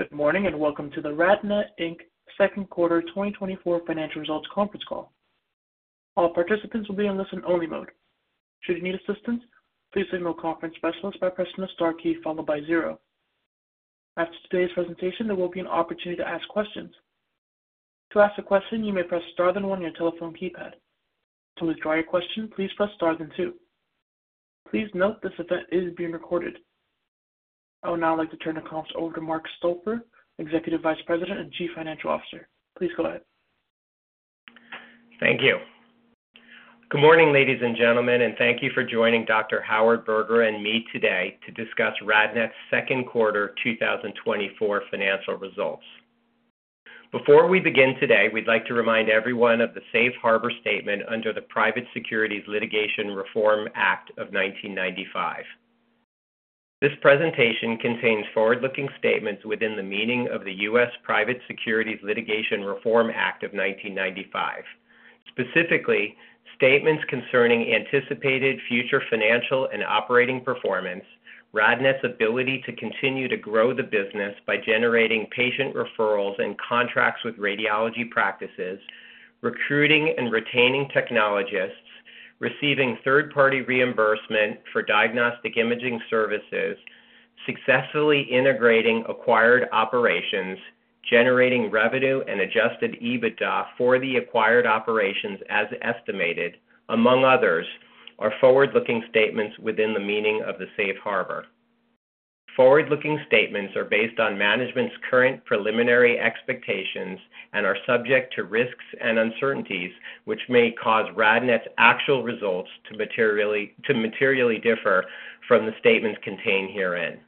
Good morning, and welcome to the RadNet, Inc. Second Quarter 2024 Financial Results Conference Call. All participants will be in listen-only mode. Should you need assistance, please signal a conference specialist by pressing the star key followed by zero. After today's presentation, there will be an opportunity to ask questions. To ask a question, you may press star then one on your telephone keypad. To withdraw your question, please press star then two. Please note this event is being recorded. I would now like to turn the conference over to Mark Stolper, Executive Vice President and Chief Financial Officer. Please go ahead. Thank you. Good morning, ladies and gentlemen, and thank you for joining Dr. Howard Berger and me today to discuss RadNet's second quarter 2024 financial results. Before we begin today, we'd like to remind everyone of the safe harbor statement under the Private Securities Litigation Reform Act of 1995. This presentation contains forward-looking statements within the meaning of the U.S. Private Securities Litigation Reform Act of 1995. Specifically, statements concerning anticipated future financial and operating performance, RadNet's ability to continue to grow the business by generating patient referrals and contracts with radiology practices, recruiting and retaining technologists, receiving third-party reimbursement for diagnostic imaging services, successfully integrating acquired operations, generating revenue and Adjusted EBITDA for the acquired operations as estimated, among others, are forward-looking statements within the meaning of the safe harbor. Forward-looking statements are based on management's current preliminary expectations and are subject to risks and uncertainties, which may cause RadNet's actual results to materially differ from the statements contained herein.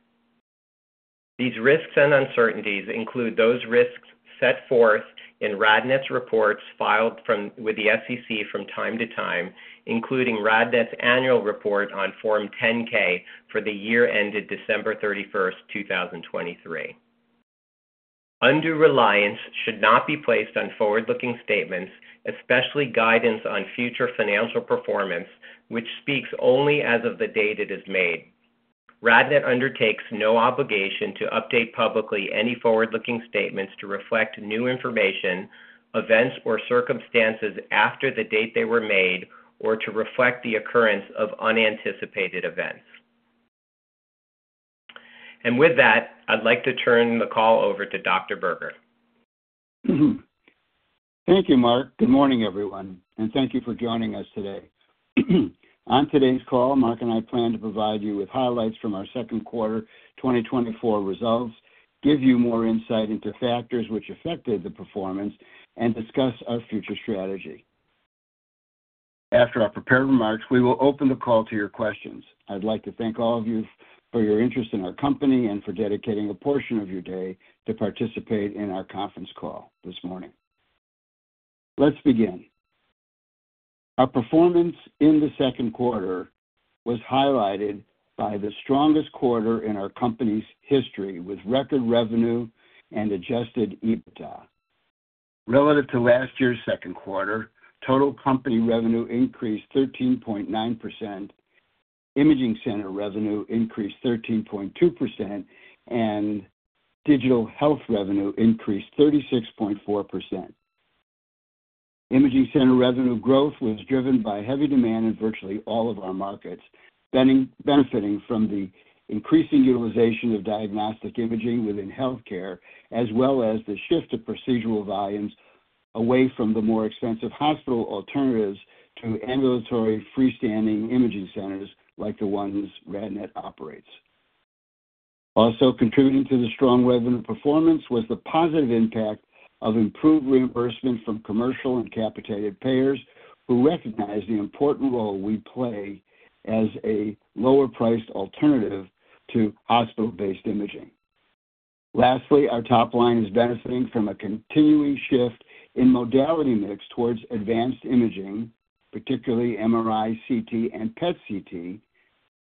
These risks and uncertainties include those risks set forth in RadNet's reports filed with the SEC from time to time, including RadNet's annual report on Form 10-K for the year ended December 31, 2023. Undue reliance should not be placed on forward-looking statements, especially guidance on future financial performance, which speaks only as of the date it is made. RadNet undertakes no obligation to update publicly any forward-looking statements to reflect new information, events, or circumstances after the date they were made, or to reflect the occurrence of unanticipated events. And with that, I'd like to turn the call over to Dr. Berger. Thank you, Mark. Good morning, everyone, and thank you for joining us today. On today's call, Mark and I plan to provide you with highlights from our second quarter 2024 results, give you more insight into factors which affected the performance, and discuss our future strategy. After our prepared remarks, we will open the call to your questions. I'd like to thank all of you for your interest in our company and for dedicating a portion of your day to participate in our conference call this morning. Let's begin. Our performance in the second quarter was highlighted by the strongest quarter in our company's history, with record revenue and Adjusted EBITDA. Relative to last year's second quarter, total company revenue increased 13.9%, imaging center revenue increased 13.2%, and digital health revenue increased 36.4%. Imaging center revenue growth was driven by heavy demand in virtually all of our markets, benefiting from the increasing utilization of diagnostic imaging within healthcare, as well as the shift of procedural volumes away from the more expensive hospital alternatives to ambulatory freestanding imaging centers, like the ones RadNet operates. Also contributing to the strong revenue performance was the positive impact of improved reimbursement from commercial and capitated payers, who recognize the important role we play as a lower-priced alternative to hospital-based imaging. Lastly, our top line is benefiting from a continuing shift in modality mix towards advanced imaging, particularly MRI, CT, and PET/CT,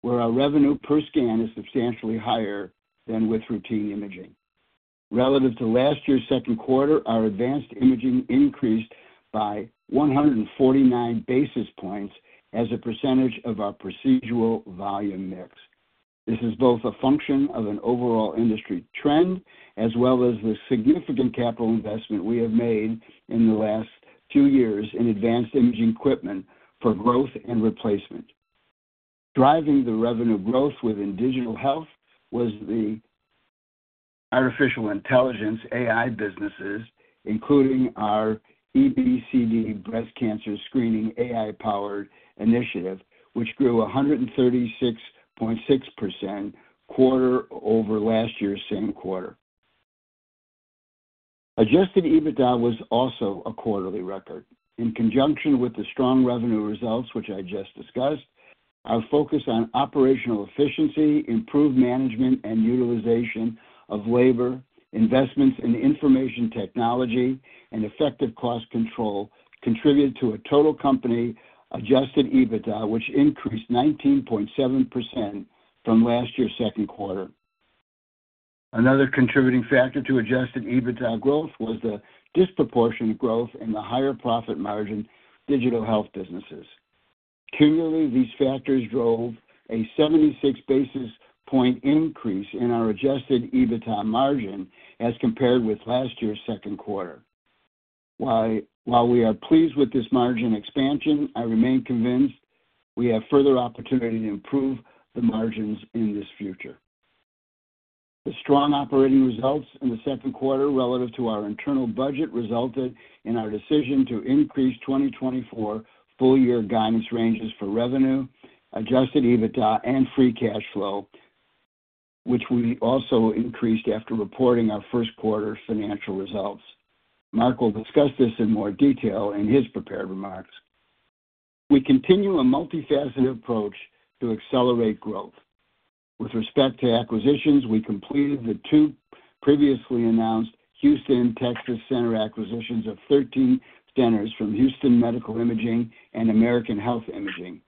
where our revenue per scan is substantially higher than with routine imaging. Relative to last year's second quarter, our advanced imaging increased by 149 basis points as a percentage of our procedural volume mix. This is both a function of an overall industry trend as well as the significant capital investment we have made in the last two years in advanced imaging equipment for growth and replacement. Driving the revenue growth within digital health was the artificial intelligence, AI, businesses, including our EBCD breast cancer screening, AI-powered initiative, which grew 136.6% quarter over last year's same quarter. Adjusted EBITDA was also a quarterly record. In conjunction with the strong revenue results, which I just discussed, our focus on operational efficiency, improved management and utilization of labor, investments in information technology, and effective cost control contributed to a total company adjusted EBITDA, which increased 19.7% from last year's second quarter. Another contributing factor to adjusted EBITDA growth was the disproportionate growth in the higher profit margin digital health businesses.... Cumulatively, these factors drove a 76 basis points increase in our adjusted EBITDA margin as compared with last year's second quarter. While we are pleased with this margin expansion, I remain convinced we have further opportunity to improve the margins in the future. The strong operating results in the second quarter relative to our internal budget resulted in our decision to increase 2024 full year guidance ranges for revenue, adjusted EBITDA, and free cash flow, which we also increased after reporting our first quarter financial results. Mark will discuss this in more detail in his prepared remarks. We continue a multifaceted approach to accelerate growth. With respect to acquisitions, we completed the two previously announced Houston, Texas, center acquisitions of 13 centers from Houston Medical Imaging and American Health Imaging.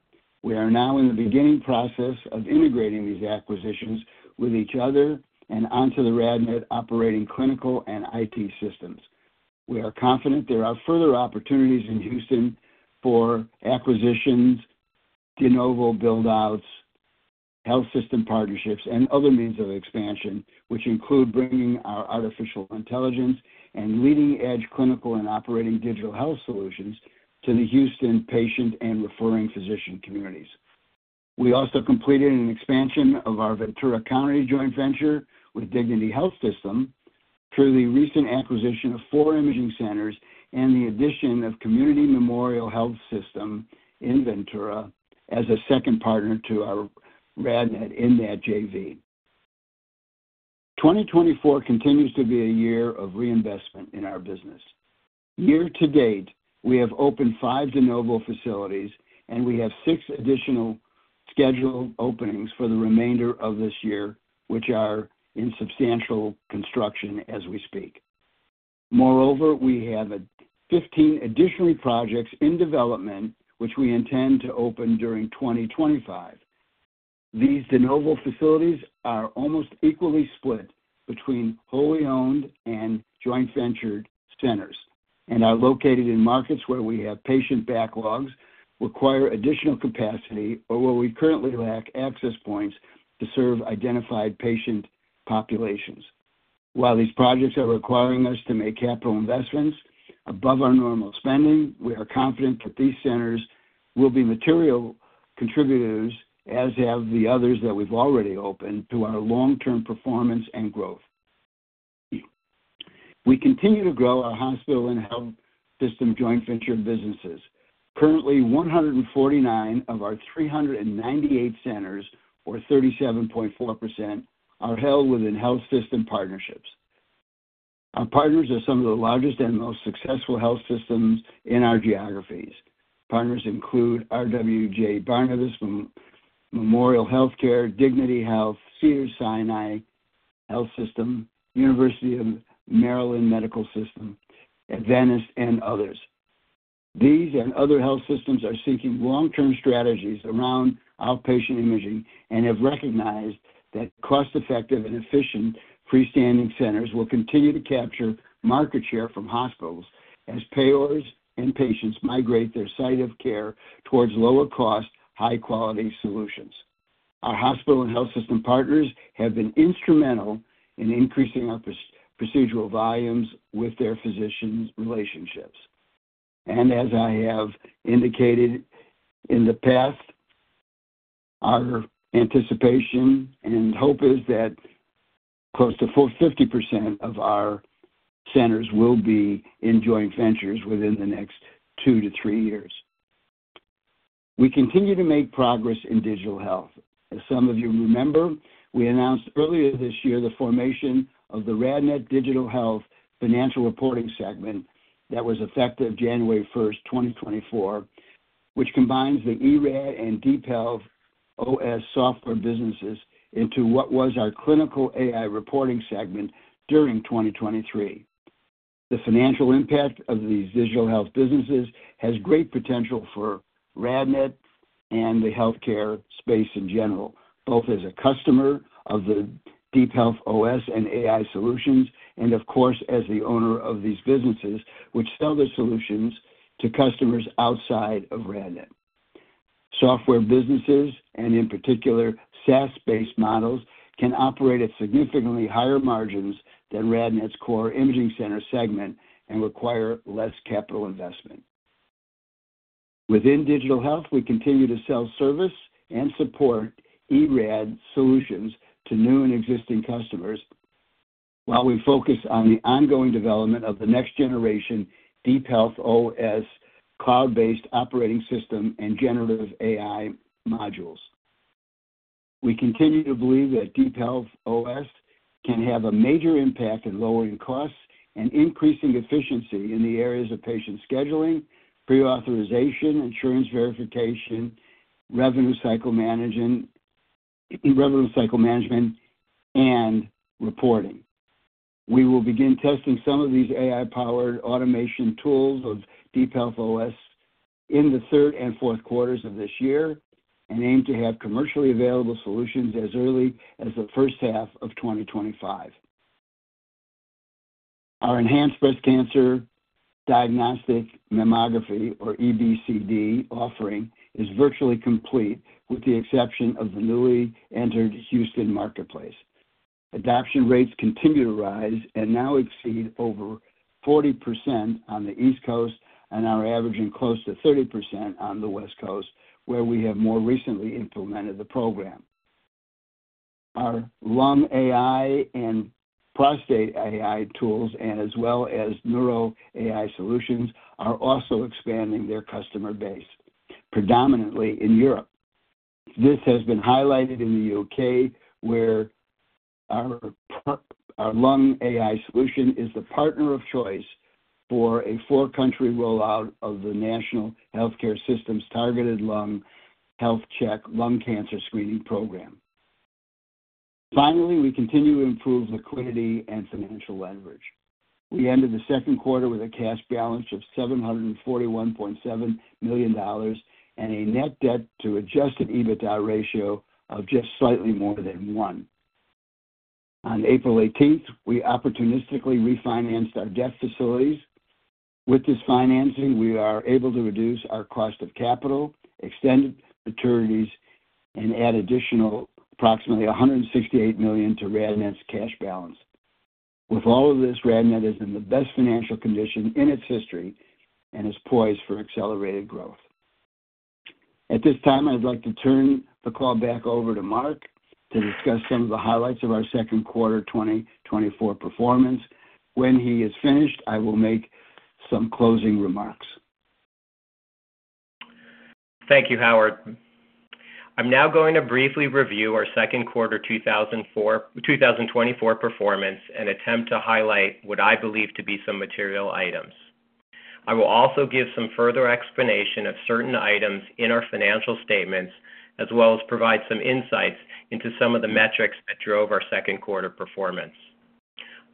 We are now in the beginning process of integrating these acquisitions with each other and onto the RadNet operating clinical and IT systems. We are confident there are further opportunities in Houston for acquisitions, de novo build-outs, health system partnerships, and other means of expansion, which include bringing our artificial intelligence and leading-edge clinical and operating digital health solutions to the Houston patient and referring physician communities. We also completed an expansion of our Ventura County joint venture with Dignity Health System through the recent acquisition of four imaging centers and the addition of Community Memorial Health System in Ventura as a second partner to our RadNet in that JV. 2024 continues to be a year of reinvestment in our business. Year to date, we have opened 5 de novo facilities, and we have 6 additional scheduled openings for the remainder of this year, which are in substantial construction as we speak. Moreover, we have 15 additional projects in development, which we intend to open during 2025. These de novo facilities are almost equally split between wholly owned and joint ventured centers, and are located in markets where we have patient backlogs, require additional capacity, or where we currently lack access points to serve identified patient populations. While these projects are requiring us to make capital investments above our normal spending, we are confident that these centers will be material contributors, as have the others that we've already opened, to our long-term performance and growth. We continue to grow our hospital and health system joint venture businesses. Currently, 149 of our 398 centers, or 37.4%, are held within health system partnerships. Our partners are some of the largest and most successful health systems in our geographies. Partners include RWJBarnabas Health, MemorialCare, Dignity Health, Cedars-Sinai Health System, University of Maryland Medical System, Adventist Health, and others. These and other health systems are seeking long-term strategies around outpatient imaging and have recognized that cost-effective and efficient freestanding centers will continue to capture market share from hospitals as payers and patients migrate their site of care towards lower cost, high-quality solutions. Our hospital and health system partners have been instrumental in increasing our procedural volumes with their physicians' relationships. As I have indicated in the past, our anticipation and hope is that close to 40%-50% of our centers will be in joint ventures within the next two to three years. We continue to make progress in digital health. As some of you remember, we announced earlier this year the formation of the RadNet Digital Health Financial Reporting segment that was effective January first, 2024, which combines the eRAD and DeepHealth OS software businesses into what was our clinical AI reporting segment during 2023. The financial impact of these digital health businesses has great potential for RadNet and the healthcare space in general, both as a customer of the DeepHealth OS and AI solutions, and of course, as the owner of these businesses, which sell the solutions to customers outside of RadNet. Software businesses, and in particular, SaaS-based models, can operate at significantly higher margins than RadNet's core imaging center segment and require less capital investment. Within digital health, we continue to sell, service, and support eRAD solutions to new and existing customers, while we focus on the ongoing development of the next generation DeepHealth OS cloud-based operating system and generative AI modules. We continue to believe that DeepHealth OS can have a major impact in lowering costs and increasing efficiency in the areas of patient scheduling, pre-authorization, insurance verification, revenue cycle management, and reporting. We will begin testing some of these AI-powered automation tools of DeepHealth OS in the third and fourth quarters of this year and aim to have commercially available solutions as early as the first half of 2025.... Our enhanced breast cancer diagnostic mammography, or EBCD offering, is virtually complete, with the exception of the newly entered Houston marketplace. Adoption rates continue to rise and now exceed over 40% on the East Coast and are averaging close to 30% on the West Coast, where we have more recently implemented the program. Our Lung AI and Prostate AI tools, and as well as Neuro AI solutions, are also expanding their customer base, predominantly in Europe. This has been highlighted in the UK, where our Lung AI solution is the partner of choice for a four-country rollout of the National Health Service's targeted lung health check lung cancer screening program. Finally, we continue to improve liquidity and financial leverage. We ended the second quarter with a cash balance of $741.7 million, and a net debt to Adjusted EBITDA ratio of just slightly more than one. On April 18, we opportunistically refinanced our debt facilities. With this financing, we are able to reduce our cost of capital, extend maturities, and add additional approximately $168 million to RadNet's cash balance. With all of this, RadNet is in the best financial condition in its history and is poised for accelerated growth. At this time, I'd like to turn the call back over to Mark to discuss some of the highlights of our second quarter 2024 performance. When he is finished, I will make some closing remarks. Thank you, Howard. I'm now going to briefly review our second quarter 2024 performance and attempt to highlight what I believe to be some material items. I will also give some further explanation of certain items in our financial statements, as well as provide some insights into some of the metrics that drove our second quarter performance.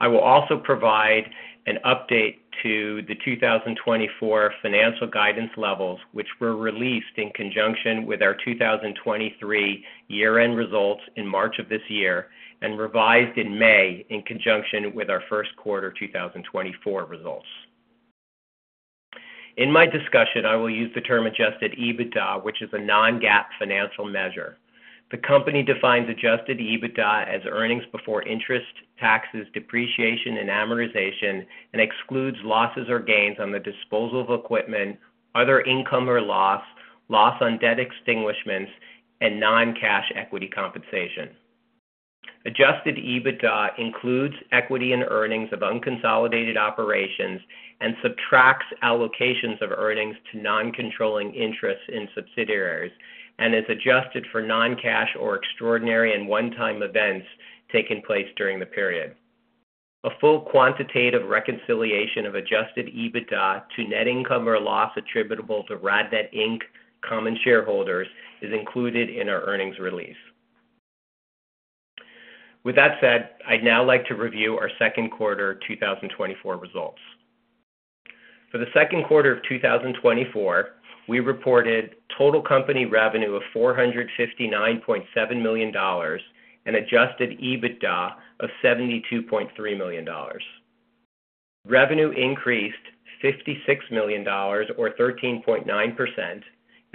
I will also provide an update to the 2024 financial guidance levels, which were released in conjunction with our 2023 year-end results in March of this year, and revised in May in conjunction with our first quarter 2024 results. In my discussion, I will use the term Adjusted EBITDA, which is a non-GAAP financial measure. The company defines adjusted EBITDA as earnings before interest, taxes, depreciation, and amortization, and excludes losses or gains on the disposal of equipment, other income or loss, loss on debt extinguishments, and non-cash equity compensation. Adjusted EBITDA includes equity and earnings of unconsolidated operations and subtracts allocations of earnings to non-controlling interests in subsidiaries and is adjusted for non-cash or extraordinary and one-time events taking place during the period. A full quantitative reconciliation of adjusted EBITDA to net income or loss attributable to RadNet Inc. common shareholders is included in our earnings release. With that said, I'd now like to review our second quarter 2024 results. For the second quarter of 2024, we reported total company revenue of $459.7 million and adjusted EBITDA of $72.3 million. Revenue increased $56 million or 13.9%,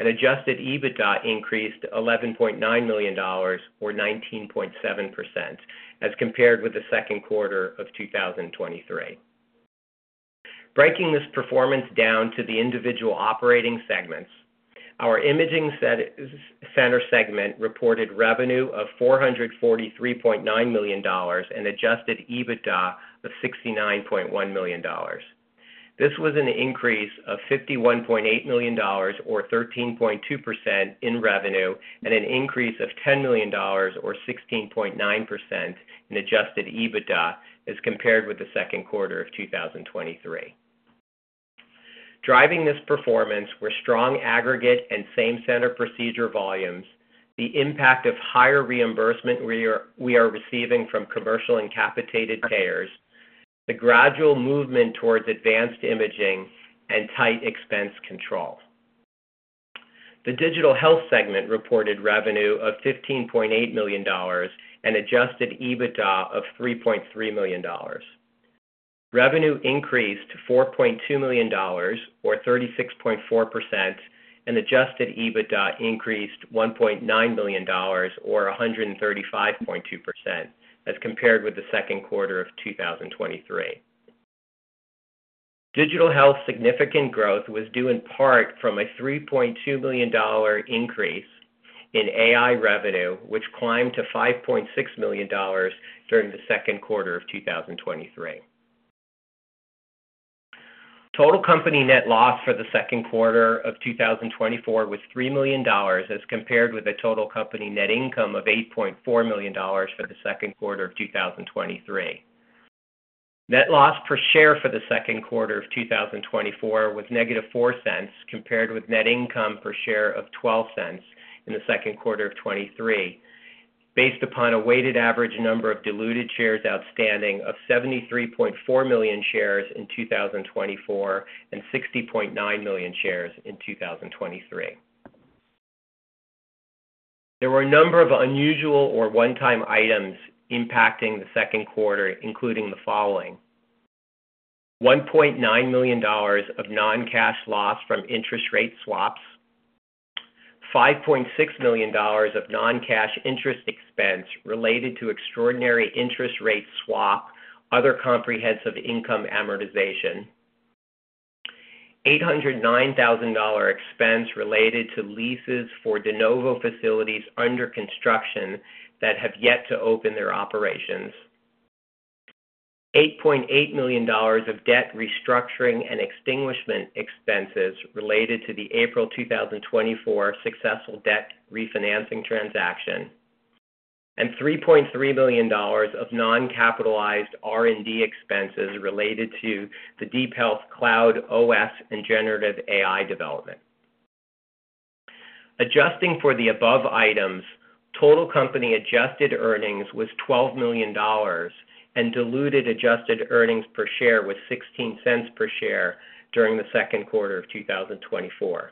and Adjusted EBITDA increased $11.9 million or 19.7% as compared with the second quarter of 2023. Breaking this performance down to the individual operating segments, our imaging center segment reported revenue of $443.9 million and Adjusted EBITDA of $69.1 million. This was an increase of $51.8 million or 13.2% in revenue, and an increase of $10 million or 16.9% in Adjusted EBITDA as compared with the second quarter of 2023. Driving this performance were strong aggregate and same-center procedure volumes, the impact of higher reimbursement we are receiving from commercial and capitated payers, the gradual movement towards advanced imaging and tight expense control. The digital health segment reported revenue of $15.8 million and Adjusted EBITDA of $3.3 million. Revenue increased to $4.2 million or 36.4%, and Adjusted EBITDA increased $1.9 million or 135.2% as compared with the second quarter of 2023. Digital health's significant growth was due in part from a $3.2 million increase in AI revenue, which climbed to $5.6 million during the second quarter of 2023. Total company net loss for the second quarter of 2024 was $3 million, as compared with a total company net income of $8.4 million for the second quarter of 2023. Net loss per share for the second quarter of 2024 was -$0.04, compared with net income per share of $0.12 in the second quarter of 2023, based upon a weighted average number of diluted shares outstanding of 73.4 million shares in 2024 and 60.9 million shares in 2023. There were a number of unusual or one-time items impacting the second quarter, including the following: $1.9 million of non-cash loss from interest rate swaps, $5.6 million of non-cash interest expense related to extraordinary interest rate swap, other comprehensive income amortization, $809,000 expense related to leases for De Novo facilities under construction that have yet to open their operations, $8.8 million of debt restructuring and extinguishment expenses related to the April 2024 successful debt refinancing transaction, and $3.3 million of non-capitalized R&D expenses related to the DeepHealth Cloud OS and generative AI development. Adjusting for the above items, total company adjusted earnings was $12 million, and diluted adjusted earnings per share was $0.16 per share during the second quarter of 2024.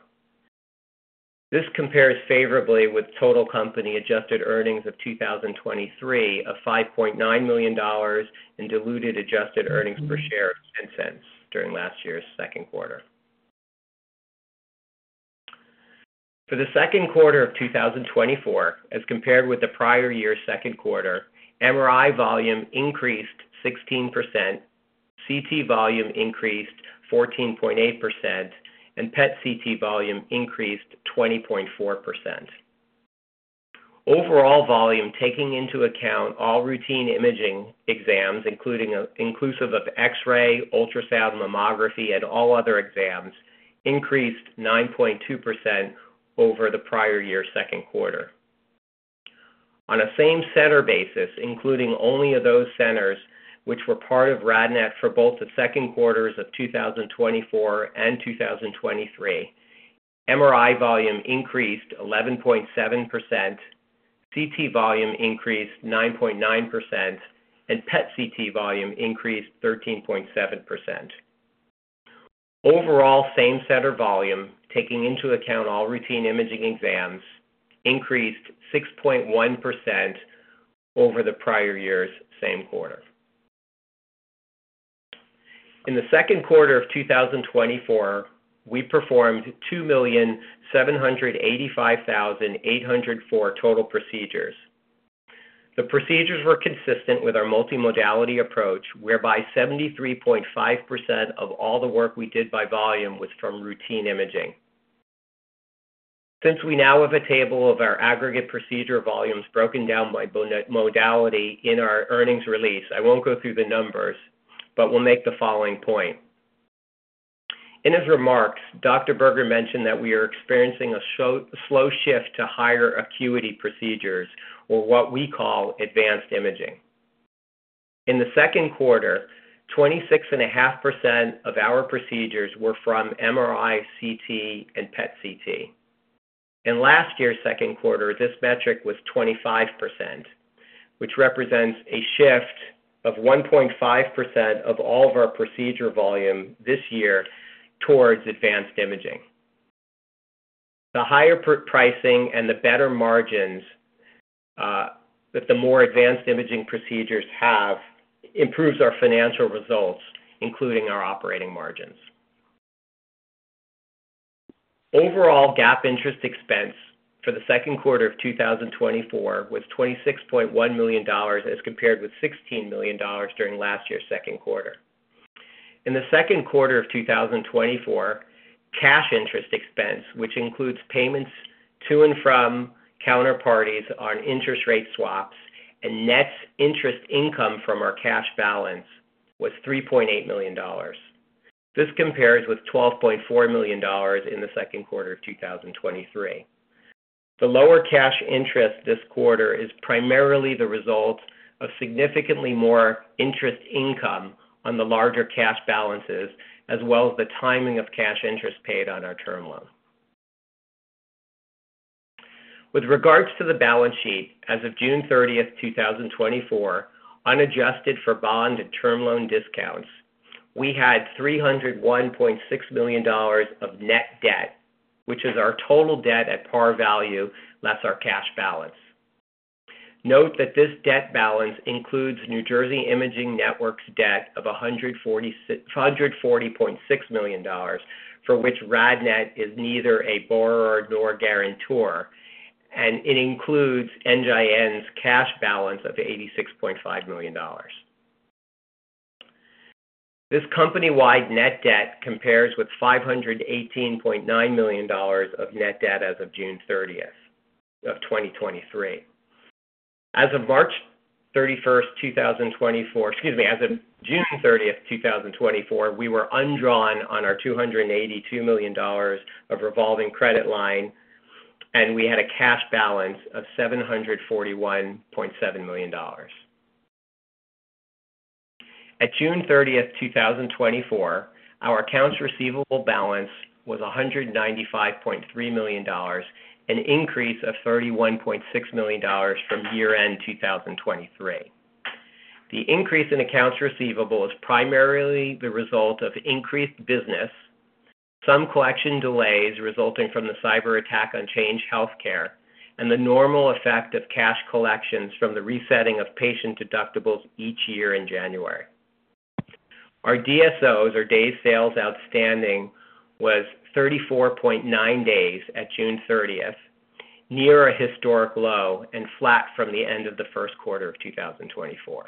This compares favorably with total company adjusted earnings of 2023 of $5.9 million, and diluted adjusted earnings per share of $0.10 during last year's second quarter. For the second quarter of 2024, as compared with the prior year's second quarter, MRI volume increased 16%, CT volume increased 14.8%, and PET CT volume increased 20.4%. Overall volume, taking into account all routine imaging exams, including, inclusive of X-ray, ultrasound, mammography, and all other exams, increased 9.2% over the prior year's second quarter. On a same-center basis, including only of those centers which were part of RadNet for both the second quarters of 2024 and 2023, MRI volume increased 11.7%, CT volume increased 9.9%, and PET CT volume increased 13.7%. Overall, same-center volume, taking into account all routine imaging exams, increased 6.1% over the prior year's same quarter. In the second quarter of 2024, we performed 2,785,804 total procedures. The procedures were consistent with our multimodality approach, whereby 73.5% of all the work we did by volume was from routine imaging. Since we now have a table of our aggregate procedure volumes broken down by modality in our earnings release, I won't go through the numbers, but we'll make the following point: In his remarks, Dr. Berger mentioned that we are experiencing a slow shift to higher acuity procedures or what we call advanced imaging. In the second quarter, 26.5% of our procedures were from MRI, CT, and PET CT. In last year's second quarter, this metric was 25%, which represents a shift of 1.5% of all of our procedure volume this year towards advanced imaging. The higher per pricing and the better margins that the more advanced imaging procedures have, improves our financial results, including our operating margins. Overall, GAAP interest expense for the second quarter of 2024 was $26.1 million, as compared with $16 million during last year's second quarter. In the second quarter of 2024, cash interest expense, which includes payments to and from counterparties on interest rate swaps and net interest income from our cash balance, was $3.8 million. This compares with $12.4 million in the second quarter of 2023. The lower cash interest this quarter is primarily the result of significantly more interest income on the larger cash balances, as well as the timing of cash interest paid on our term loan. With regards to the balance sheet, as of June thirtieth, 2024, unadjusted for bond and term loan discounts, we had $301.6 million of net debt, which is our total debt at par value, less our cash balance. Note that this debt balance includes New Jersey Imaging Network's debt of $140.6 million, for which RadNet is neither a borrower nor guarantor, and it includes NJIN's cash balance of $86.5 million. This company-wide net debt compares with $518.9 million of net debt as of June thirtieth of 2023. As of March 31, 2024, excuse me, as of June 30, 2024, we were undrawn on our $282 million of revolving credit line, and we had a cash balance of $741.7 million. At June 30, 2024, our accounts receivable balance was $195.3 million, an increase of $31.6 million from year-end 2023. The increase in accounts receivable is primarily the result of increased business, some collection delays resulting from the cyberattack on Change Healthcare, and the normal effect of cash collections from the resetting of patient deductibles each year in January. Our DSOs, or Days Sales Outstanding, was 34.9 days at June 30th, 2024, near a historic low and flat from the end of the first quarter of 2024.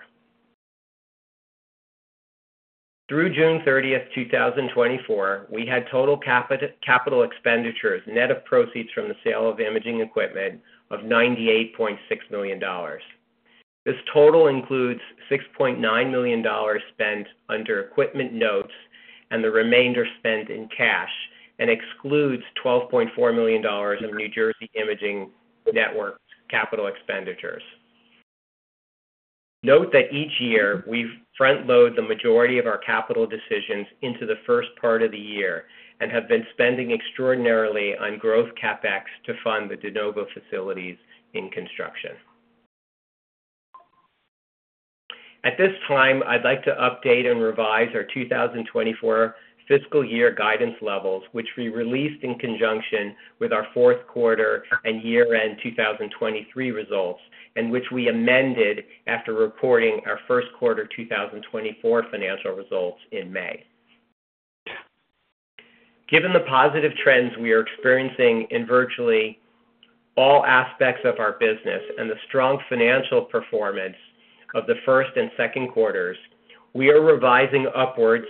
Through June 30th, 2024, we had total capital expenditures net of proceeds from the sale of imaging equipment of $98.6 million. This total includes $6.9 million spent under equipment notes and the remainder spent in cash and excludes $12.4 million in New Jersey Imaging Network's capital expenditures. Note that each year, we front load the majority of our capital decisions into the first part of the year and have been spending extraordinarily on growth CapEx to fund the de novo facilities in construction. At this time, I'd like to update and revise our 2024 fiscal year guidance levels, which we released in conjunction with our fourth quarter and year-end 2023 results, and which we amended after reporting our first quarter 2024 financial results in May. Given the positive trends we are experiencing in virtually all aspects of our business and the strong financial performance of the first and second quarters, we are revising upwards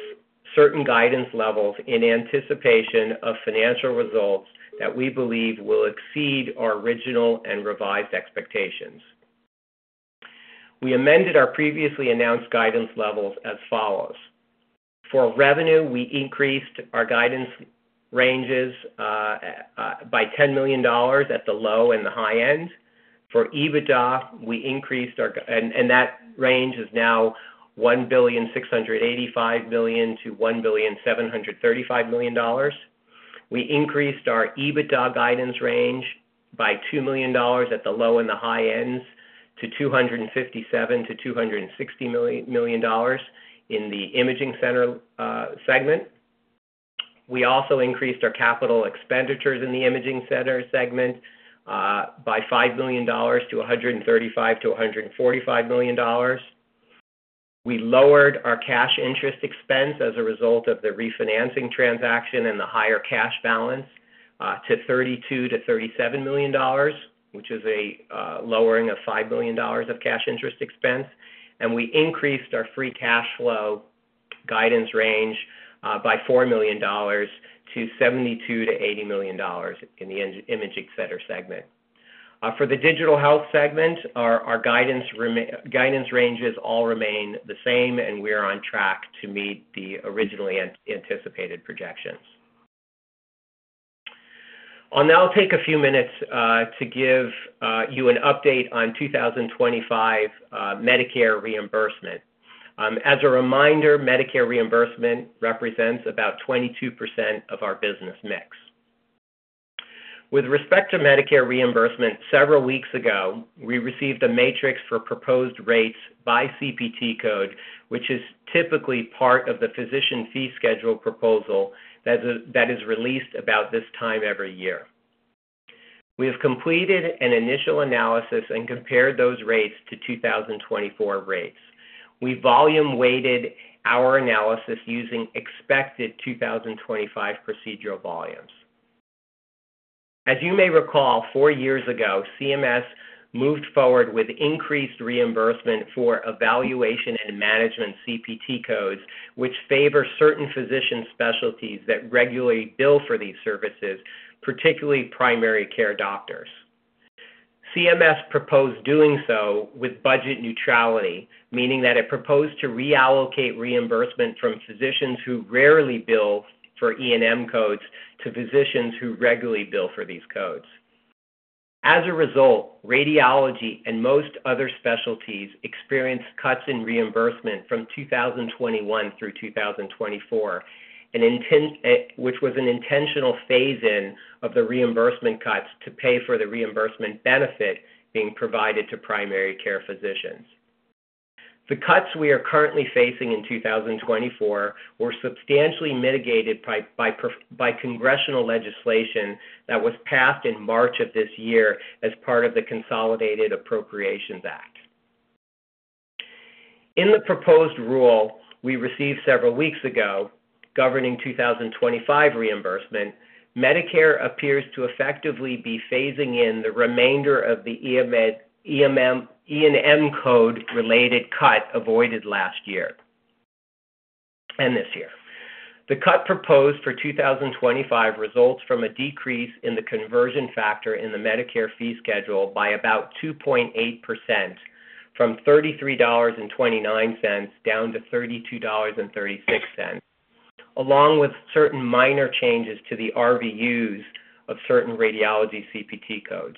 certain guidance levels in anticipation of financial results that we believe will exceed our original and revised expectations. We amended our previously announced guidance levels as follows: For revenue, we increased our guidance ranges by $10 million at the low and the high end. For EBITDA, we increased our... And that range is now $1.685 billion-$1.735 billion. We increased our EBITDA guidance range by $2 million at the low and the high ends to $257 million-$260 million in the imaging center segment. We also increased our capital expenditures in the imaging center segment by $5 million to $135 million-$145 million. We lowered our cash interest expense as a result of the refinancing transaction and the higher cash balance to $32 million-$37 million, which is a lowering of $5 million of cash interest expense. And we increased our free cash flow guidance range by $4 million to $72 million-$80 million in the imaging center segment. For the digital health segment, our guidance ranges all remain the same, and we are on track to meet the originally anticipated projections. I'll now take a few minutes to give you an update on 2025 Medicare reimbursement. As a reminder, Medicare reimbursement represents about 22% of our business mix. With respect to Medicare reimbursement, several weeks ago, we received a matrix for proposed rates by CPT code, which is typically part of the Physician Fee Schedule proposal that is, that is released about this time every year. We have completed an initial analysis and compared those rates to 2024 rates. We volume weighted our analysis using expected 2025 procedural volumes. As you may recall, four years ago, CMS moved forward with increased reimbursement for evaluation and management CPT codes, which favor certain physician specialties that regularly bill for these services, particularly primary care doctors. CMS proposed doing so with budget neutrality, meaning that it proposed to reallocate reimbursement from physicians who rarely bill for E&M codes to physicians who regularly bill for these codes. As a result, radiology and most other specialties experienced cuts in reimbursement from 2021 through 2024, which was an intentional phase-in of the reimbursement cuts to pay for the reimbursement benefit being provided to primary care physicians. The cuts we are currently facing in 2024 were substantially mitigated by congressional legislation that was passed in March of this year as part of the Consolidated Appropriations Act. In the proposed rule, we received several weeks ago governing 2025 reimbursement, Medicare appears to effectively be phasing in the remainder of the E&M code-related cut avoided last year and this year. The cut proposed for 2025 results from a decrease in the conversion factor in the Medicare fee schedule by about 2.8%, from $33.29 down to $32.36, along with certain minor changes to the RVUs of certain radiology CPT codes.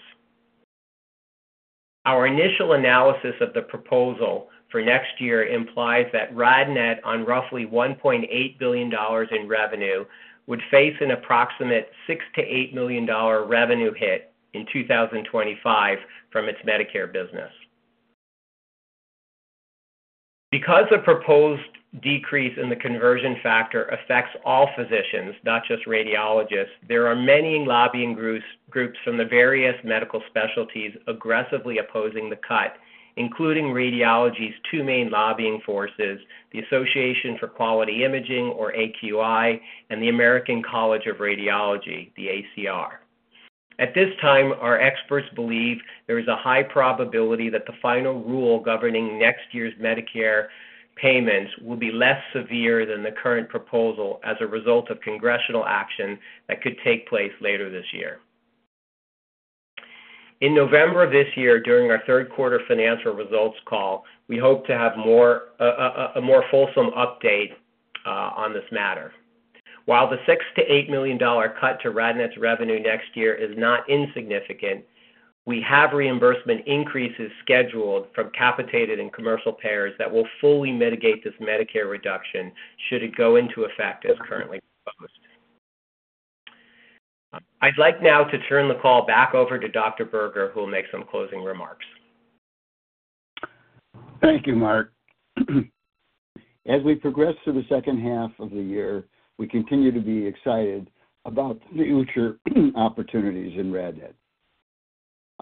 Our initial analysis of the proposal for next year implies that RadNet, on roughly $1.8 billion in revenue, would face an approximate $6 million-$8 million revenue hit in 2025 from its Medicare business. Because the proposed decrease in the conversion factor affects all physicians, not just radiologists, there are many lobbying groups, groups from the various medical specialties aggressively opposing the cut, including radiology's two main lobbying forces, the Association for Quality Imaging, or AQI, and the American College of Radiology, the ACR. At this time, our experts believe there is a high probability that the final rule governing next year's Medicare payments will be less severe than the current proposal as a result of congressional action that could take place later this year. In November of this year, during our third quarter financial results call, we hope to have more, a more fulsome update, on this matter. While the $6 million-$8 million cut to RadNet's revenue next year is not insignificant, we have reimbursement increases scheduled from capitated and commercial payers that will fully mitigate this Medicare reduction should it go into effect as currently proposed. I'd like now to turn the call back over to Dr. Berger, who will make some closing remarks. Thank you, Mark. As we progress through the second half of the year, we continue to be excited about the future opportunities in RadNet.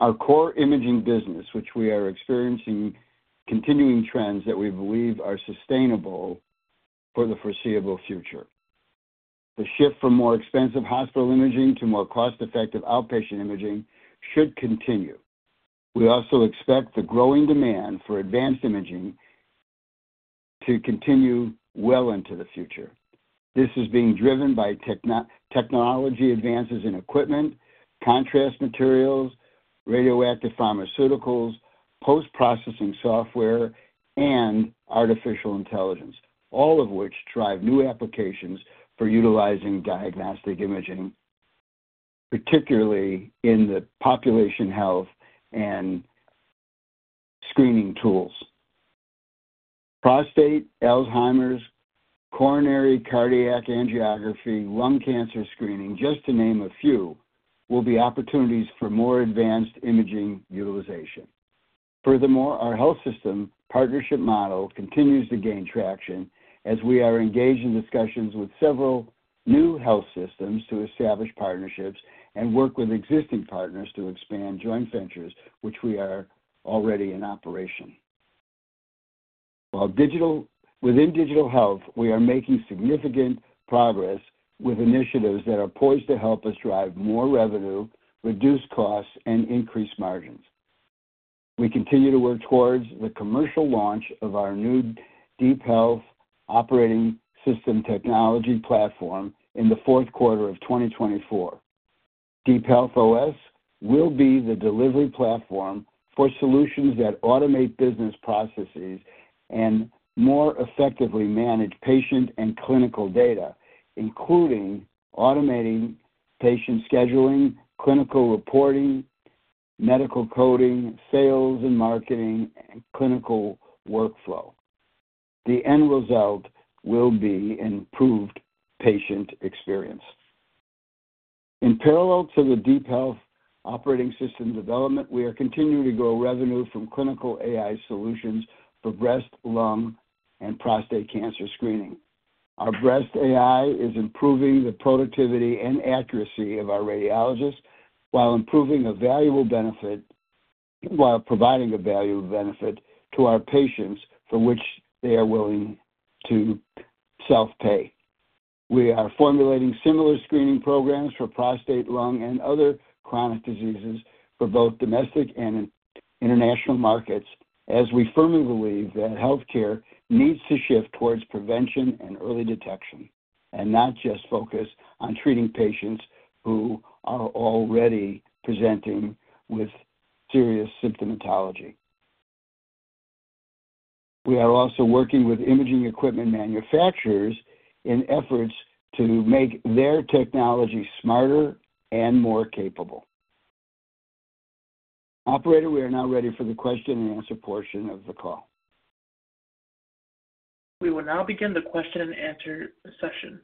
Our core imaging business, which we are experiencing continuing trends that we believe are sustainable for the foreseeable future. The shift from more expensive hospital imaging to more cost-effective outpatient imaging should continue. We also expect the growing demand for advanced imaging to continue well into the future. This is being driven by technology advances in equipment, contrast materials, radioactive pharmaceuticals, post-processing software, and artificial intelligence, all of which drive new applications for utilizing diagnostic imaging, particularly in the population health and screening tools. Prostate, Alzheimer's, coronary cardiac angiography, lung cancer screening, just to name a few, will be opportunities for more advanced imaging utilization. Furthermore, our health system partnership model continues to gain traction as we are engaged in discussions with several new health systems to establish partnerships and work with existing partners to expand joint ventures, which we are already in operation. While digital... Within digital health, we are making significant progress with initiatives that are poised to help us drive more revenue, reduce costs, and increase margins. We continue to work towards the commercial launch of our new DeepHealth Operating System technology platform in the fourth quarter of 2024. DeepHealth OS will be the delivery platform for solutions that automate business processes and more effectively manage patient and clinical data, including automating patient scheduling, clinical reporting, medical coding, sales and marketing, and clinical workflow. The end result will be improved patient experience. In parallel to the Deep Health Operating System development, we are continuing to grow revenue from clinical AI solutions for breast, lung, and prostate cancer screening. Our breast AI is improving the productivity and accuracy of our radiologists while providing a valuable benefit to our patients, for which they are willing to self-pay. We are formulating similar screening programs for prostate, lung, and other chronic diseases for both domestic and international markets, as we firmly believe that healthcare needs to shift towards prevention and early detection, and not just focus on treating patients who are already presenting with serious symptomatology. We are also working with imaging equipment manufacturers in efforts to make their technology smarter and more capable. Operator, we are now ready for the question and answer portion of the call. We will now begin the question and answer session.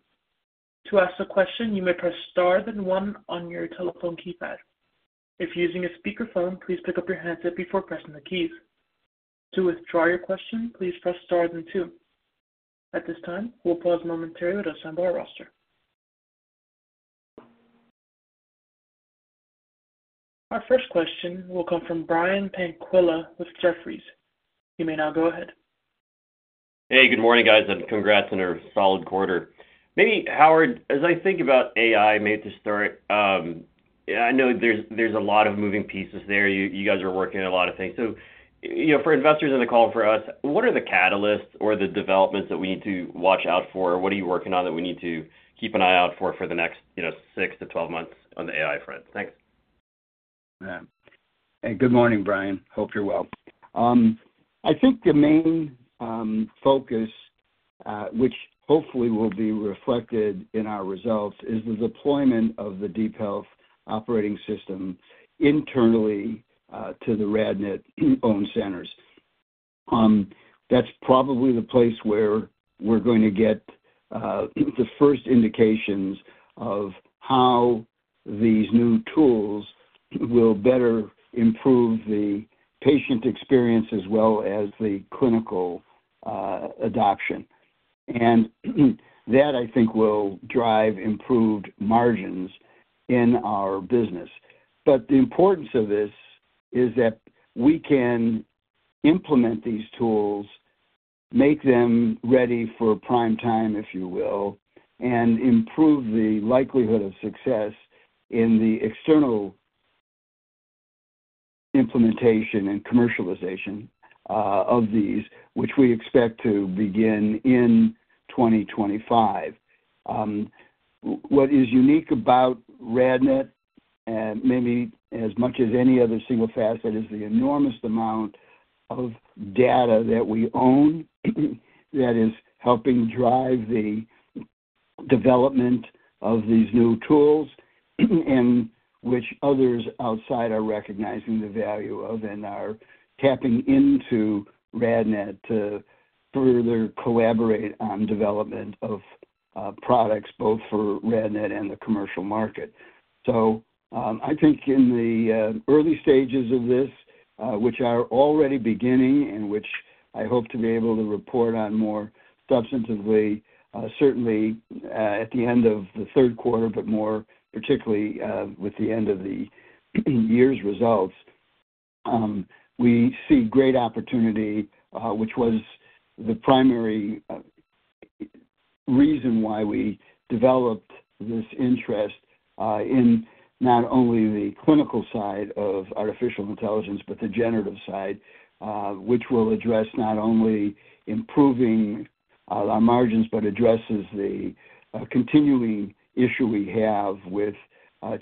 To ask a question, you may press Star, then one on your telephone keypad. If using a speakerphone, please pick up your handset before pressing the keys. To withdraw your question, please press Star then two. At this time, we'll pause momentarily to assemble our roster. Our first question will come from Brian Tanquilut with Jefferies. You may now go ahead. Hey, good morning, guys, and congrats on a solid quarter. Maybe, Howard, as I think about AI, maybe to start, I know there's a lot of moving pieces there. You guys are working on a lot of things. So, you know, for investors on the call with us, what are the catalysts or the developments that we need to watch out for? Or what are you working on that we need to keep an eye out for, for the next, you know, 6 to 12 months on the AI front? Thanks. Yeah. Hey, good morning, Brian. Hope you're well. I think the main focus, which hopefully will be reflected in our results, is the deployment of the DeepHealth Operating System internally to the RadNet-owned centers. That's probably the place where we're going to get the first indications of how these new tools will better improve the patient experience as well as the clinical adoption. And that I think will drive improved margins in our business. But the importance of this is that we can implement these tools, make them ready for prime time, if you will, and improve the likelihood of success in the external implementation and commercialization of these, which we expect to begin in 2025. What is unique about RadNet, and maybe as much as any other single facet, is the enormous amount of data that we own, that is helping drive the development of these new tools, and which others outside are recognizing the value of and are tapping into RadNet to further collaborate on development of, products, both for RadNet and the commercial market. I think in the early stages of this, which are already beginning and which I hope to be able to report on more substantively, certainly at the end of the third quarter, but more particularly with the end of the year's results, we see great opportunity, which was the primary reason why we developed this interest in not only the clinical side of artificial intelligence, but the generative side, which will address not only improving our margins, but addresses the continuing issue we have with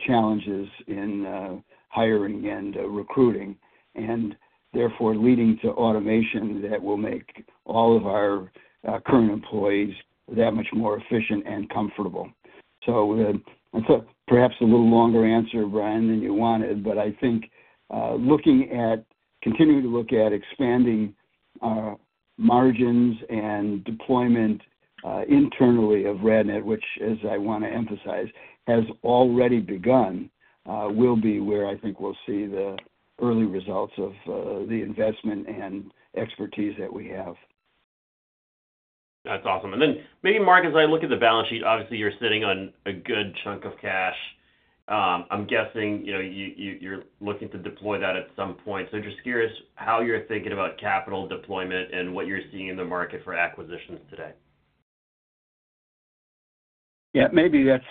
challenges in hiring and recruiting, and therefore leading to automation that will make all of our current employees that much more efficient and comfortable. So, that's perhaps a little longer answer, Brian, than you wanted, but I think, continuing to look at expanding margins and deployment internally of RadNet, which, as I want to emphasize, has already begun, will be where I think we'll see the early results of the investment and expertise that we have. That's awesome. And then maybe, Mark, as I look at the balance sheet, obviously, you're sitting on a good chunk of cash. I'm guessing, you know, you're looking to deploy that at some point. So just curious how you're thinking about capital deployment and what you're seeing in the market for acquisitions today. Yeah, maybe that's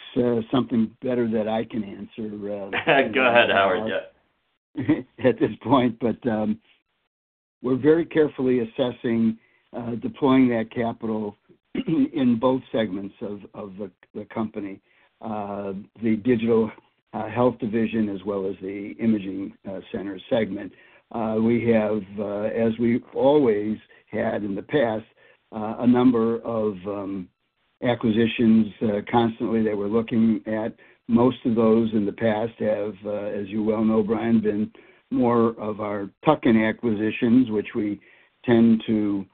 something better that I can answer. Go ahead, Howard. Yeah. At this point, we're very carefully assessing deploying that capital in both segments of the company, the digital health division, as well as the imaging center segment. We have, as we always had in the past, a number of acquisitions constantly that we're looking at. Most of those in the past have, as you well know, Brian, been more of our tuck-in acquisitions, which we tend to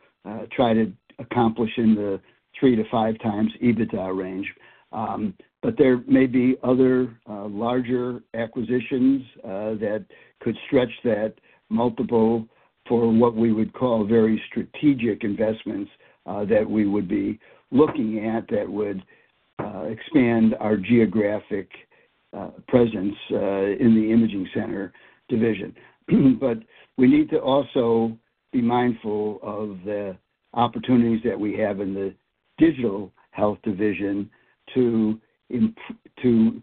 try to accomplish in the 3x-5x EBITDA range. But there may be other larger acquisitions that could stretch that multiple for what we would call very strategic investments that we would be looking at that would expand our geographic presence in the imaging center division. But we need to also be mindful of the opportunities that we have in the digital health division to improve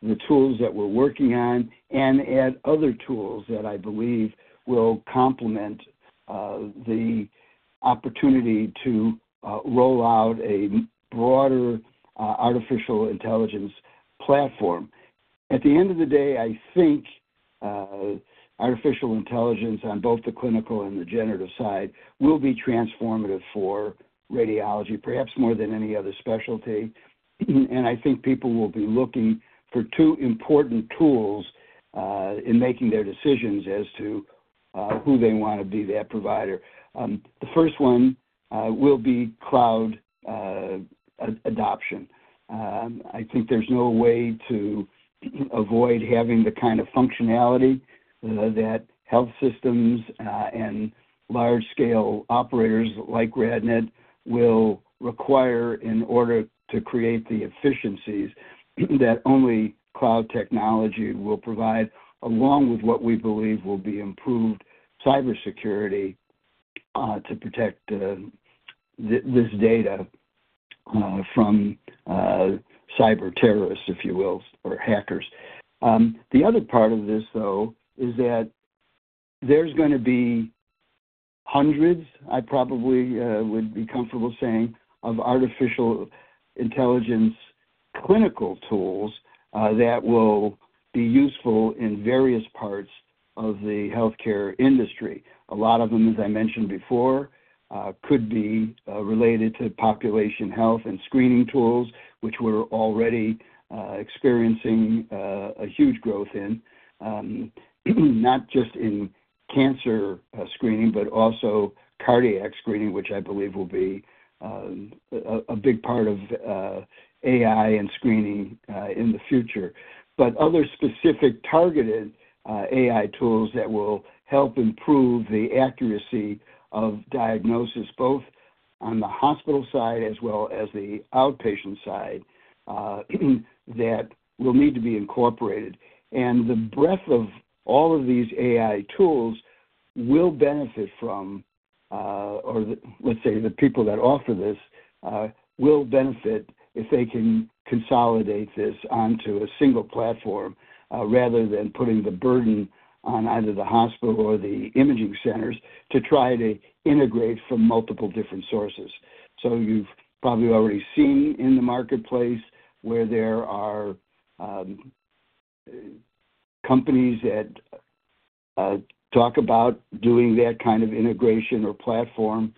the tools that we're working on and add other tools that I believe will complement the opportunity to roll out a broader artificial intelligence platform. At the end of the day, I think artificial intelligence on both the clinical and the generative side will be transformative for radiology, perhaps more than any other specialty. And I think people will be looking for two important tools in making their decisions as to who they want to be their provider. The first one will be cloud adoption. I think there's no way to avoid having the kind of functionality that health systems and large-scale operators like RadNet will require in order to create the efficiencies that only cloud technology will provide, along with what we believe will be improved cybersecurity to protect this data from cyber terrorists, if you will, or hackers. The other part of this, though, is that there's gonna be hundreds, I probably would be comfortable saying, of artificial intelligence clinical tools that will be useful in various parts of the healthcare industry. A lot of them, as I mentioned before, could be related to population health and screening tools, which we're already experiencing a huge growth in, not just in-... cancer screening, but also cardiac screening, which I believe will be a big part of AI and screening in the future. But other specific targeted AI tools that will help improve the accuracy of diagnosis, both on the hospital side as well as the outpatient side that will need to be incorporated. And the breadth of all of these AI tools will benefit from, or let's say the people that offer this will benefit if they can consolidate this onto a single platform rather than putting the burden on either the hospital or the imaging centers to try to integrate from multiple different sources. So you've probably already seen in the marketplace where there are companies that talk about doing that kind of integration or platform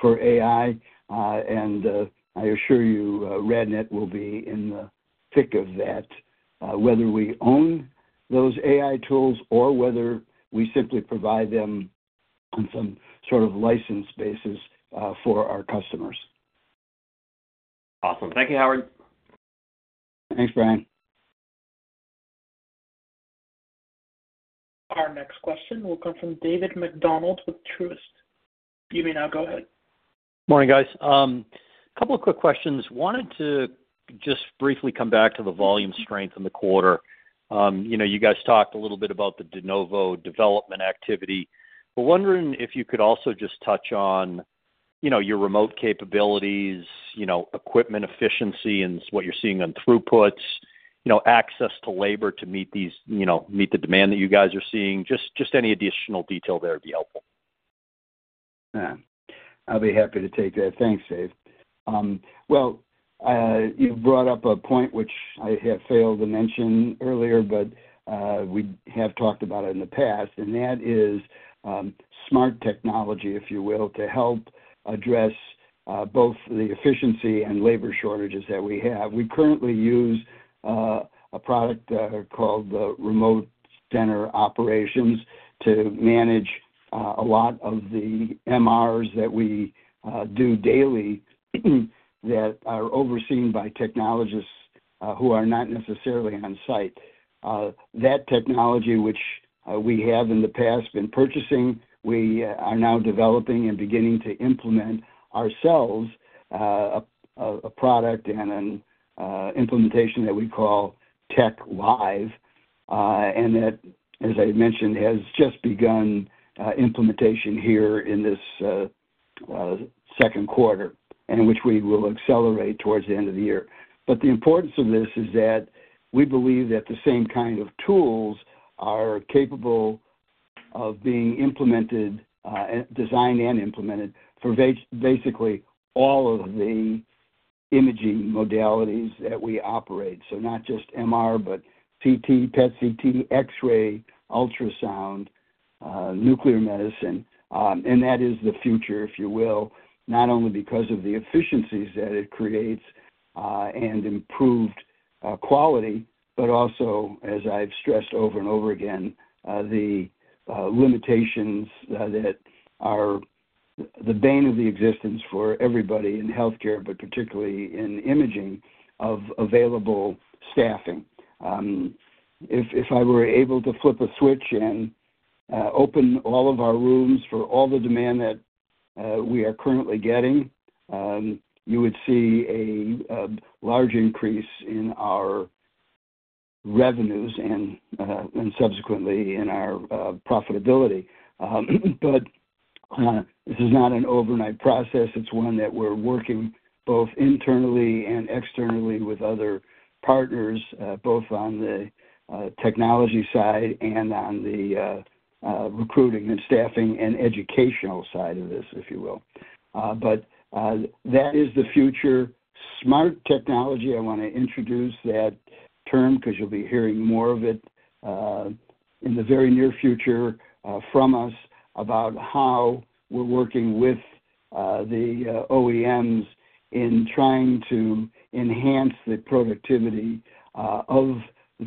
for AI. I assure you, RadNet will be in the thick of that, whether we own those AI tools or whether we simply provide them on some sort of license basis, for our customers. Awesome. Thank you, Howard. Thanks, Brian. Our next question will come from David Macdonald with Truist. You may now go ahead. Morning, guys. Couple of quick questions. Wanted to just briefly come back to the volume strength in the quarter. You know, you guys talked a little bit about the De Novo development activity. We're wondering if you could also just touch on, you know, your remote capabilities, you know, equipment efficiency and what you're seeing on throughputs, you know, access to labor to meet these, you know, meet the demand that you guys are seeing. Just, just any additional detail there would be helpful. Yeah, I'll be happy to take that. Thanks, Dave. Well, you brought up a point which I had failed to mention earlier, but we have talked about it in the past, and that is smart technology, if you will, to help address both the efficiency and labor shortages that we have. We currently use a product called the Remote Center Operations to manage a lot of the MRs that we do daily, that are overseen by technologists who are not necessarily on site. That technology which we have in the past been purchasing, we are now developing and beginning to implement ourselves, a product and an implementation that we call TechLive. and that, as I mentioned, has just begun implementation here in this second quarter, and which we will accelerate towards the end of the year. But the importance of this is that we believe that the same kind of tools are capable of being implemented, designed and implemented, for basically all of the imaging modalities that we operate. So not just MR, but CT, PET/CT, X-ray, ultrasound, nuclear medicine. And that is the future, if you will, not only because of the efficiencies that it creates, and improved quality, but also, as I've stressed over and over again, the limitations that are the bane of the existence for everybody in healthcare, but particularly in imaging of available staffing. If I were able to flip a switch and open all of our rooms for all the demand that we are currently getting, you would see a large increase in our revenues and subsequently in our profitability. But this is not an overnight process. It's one that we're working both internally and externally with other partners both on the technology side and on the recruiting and staffing and educational side of this, if you will. But that is the future. Smart technology, I wanna introduce that term because you'll be hearing more of it in the very near future from us about how we're working with the OEMs in trying to enhance the productivity of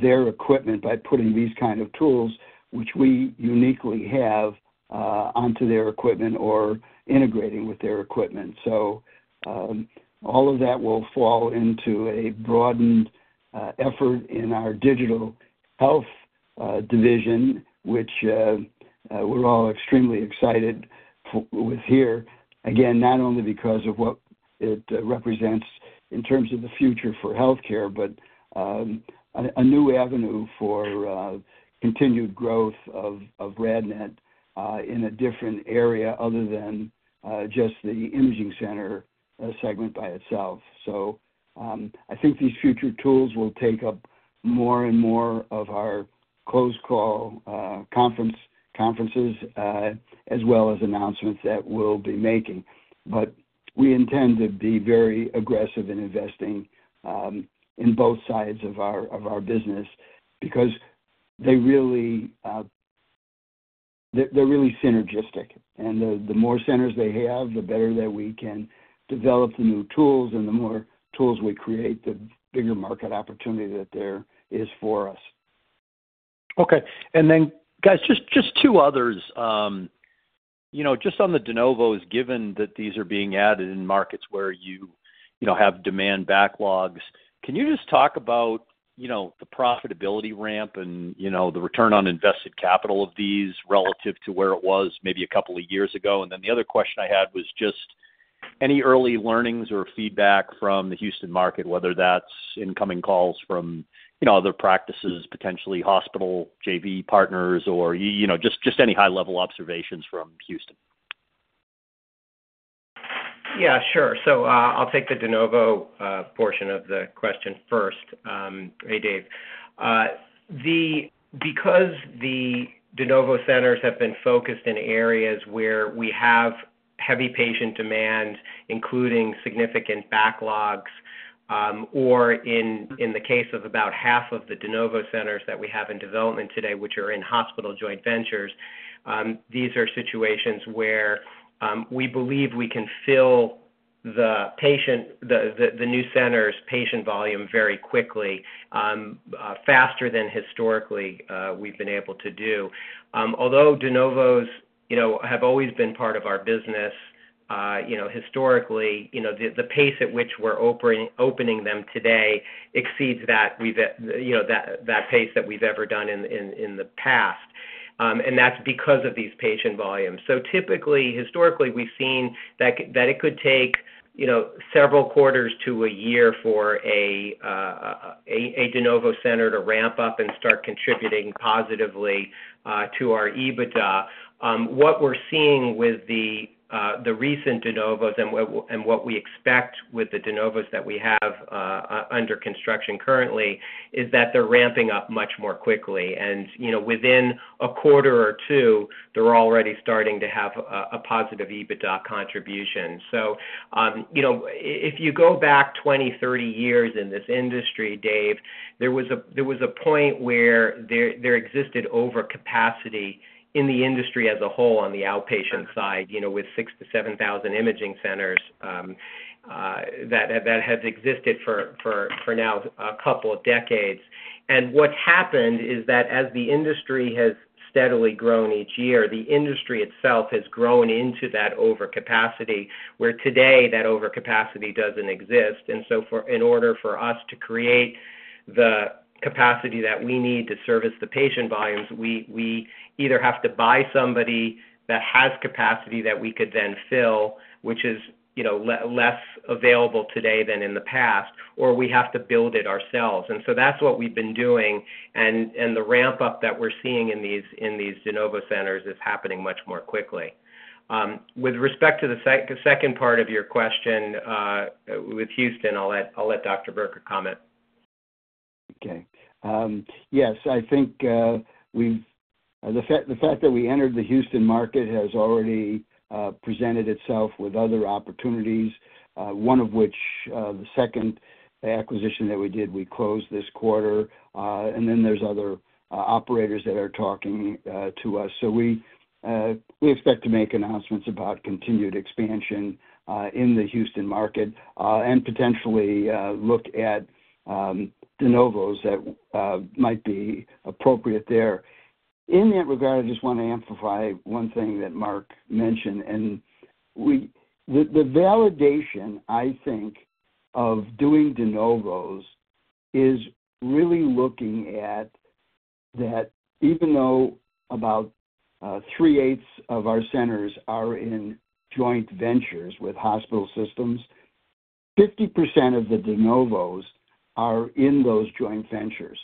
their equipment by putting these kind of tools, which we uniquely have, onto their equipment or integrating with their equipment. So all of that will fall into a broadened effort in our digital health division, which we're all extremely excited with here. Again, not only because of what it represents in terms of the future for healthcare, but a new avenue for continued growth of RadNet in a different area other than just the imaging center segment by itself. So, I think these future tools will take up more and more of our close call, conference- conferences, as well as announcements that we'll be making. But we intend to be very aggressive in investing, in both sides of our, of our business because they really, they're, they're really synergistic, and the, the more centers they have, the better that we can develop the new tools, and the more tools we create, the bigger market opportunity that there is for us. Okay. And then, guys, just two others. You know, just on the de novos, given that these are being added in markets where you, you know, have demand backlogs, can you just talk about, you know, the profitability ramp and, you know, the return on invested capital of these relative to where it was maybe a couple of years ago? And then the other question I had was just any early learnings or feedback from the Houston market, whether that's incoming calls from, you know, other practices, potentially hospital JV partners, or, you know, just any high-level observations from Houston. Yeah, sure. So, I'll take the de novo portion of the question first. Hey, Dave. Because the de novo centers have been focused in areas where we have heavy patient demand, including significant backlogs, or in the case of about half of the de novo centers that we have in development today, which are in hospital joint ventures, these are situations where we believe we can fill the patient, the new center's patient volume very quickly, faster than historically, we've been able to do. Although de novos, you know, have always been part of our business, you know, historically, you know, the pace at which we're opening them today exceeds that we've you know, that, that pace that we've ever done in, in, in the past, and that's because of these patient volumes. So typically, historically, we've seen that that it could take, you know, several quarters to a year for a a de novo center to ramp up and start contributing positively to our EBITDA. What we're seeing with the the recent de novos and and what we expect with the de novos that we have under construction currently, is that they're ramping up much more quickly. And, you know, within a quarter or two, they're already starting to have a a positive EBITDA contribution. So, you know, if you go back 20, 30 years in this industry, Dave, there was a point where there existed overcapacity in the industry as a whole on the outpatient side, you know, with 6,000-7,000 imaging centers, that has existed for now, a couple of decades. And what's happened is that as the industry has steadily grown each year, the industry itself has grown into that overcapacity, where today, that overcapacity doesn't exist. And so in order for us to create the capacity that we need to service the patient volumes, we either have to buy somebody that has capacity that we could then fill, which is, you know, less available today than in the past, or we have to build it ourselves. That's what we've been doing, and the ramp-up that we're seeing in these de novo centers is happening much more quickly. With respect to the second part of your question, with Houston, I'll let Dr. Berger comment. Okay. Yes, I think the fact that we entered the Houston market has already presented itself with other opportunities, one of which, the second acquisition that we did, we closed this quarter. And then there's other operators that are talking to us. So we expect to make announcements about continued expansion in the Houston market, and potentially look at de novos that might be appropriate there. In that regard, I just want to amplify one thing that Mark mentioned, and the validation, I think, of doing de novos is really looking at that even though about three-eighths of our centers are in joint ventures with hospital systems, 50% of the de novos are in those joint ventures.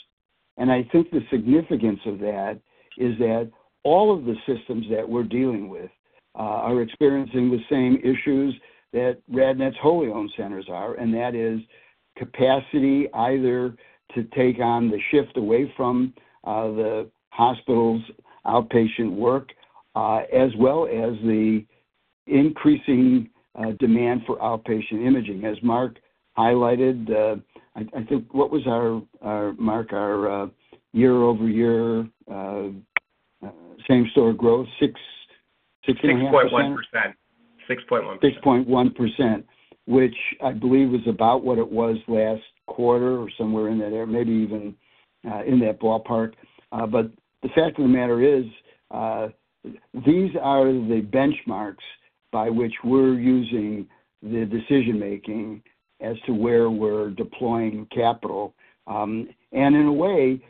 I think the significance of that is that all of the systems that we're dealing with are experiencing the same issues that RadNet's wholly owned centers are, and that is capacity either to take on the shift away from the hospital's outpatient work as well as the increasing demand for outpatient imaging. As Mark highlighted, I, I think what was our, our, Mark, our year-over-year same-store growth? 6, 6.5%. 6.1%. 6.1%. 6.1%, which I believe was about what it was last quarter or somewhere in there, maybe even, in that ballpark. But the fact of the matter is, these are the benchmarks by which we're using the decision-making as to where we're deploying capital. And in a way,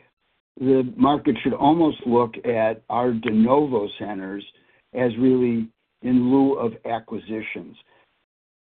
the market should almost look at our de novo centers as really in lieu of acquisitions.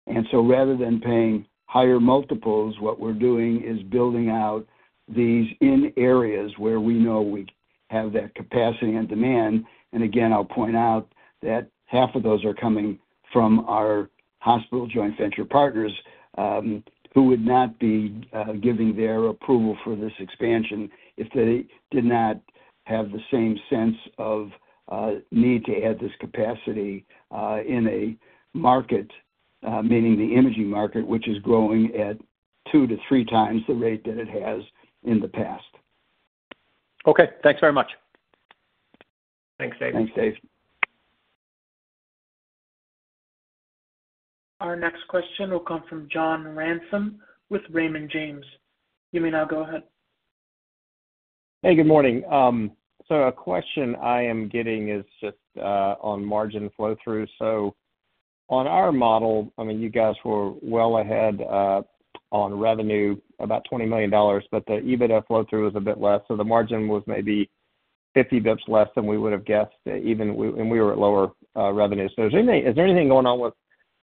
And so rather than paying higher multiples, what we're doing is building out these in areas where we know we have that capacity and demand. Again, I'll point out that half of those are coming from our hospital joint venture partners, who would not be giving their approval for this expansion if they did not have the same sense of need to add this capacity in a market, meaning the imaging market, which is growing at 2-3 times the rate that it has in the past. Okay, thanks very much. Thanks, Dave. Thanks, Dave. Our next question will come from John Ransom with Raymond James. You may now go ahead. Hey, good morning. So a question I am getting is just on margin flow-through. So on our model, I mean, you guys were well ahead on revenue, about $20 million, but the EBITDA flow-through was a bit less. So the margin was maybe 50 basis points less than we would have guessed, even and we were at lower revenue. So is there any, is there anything going on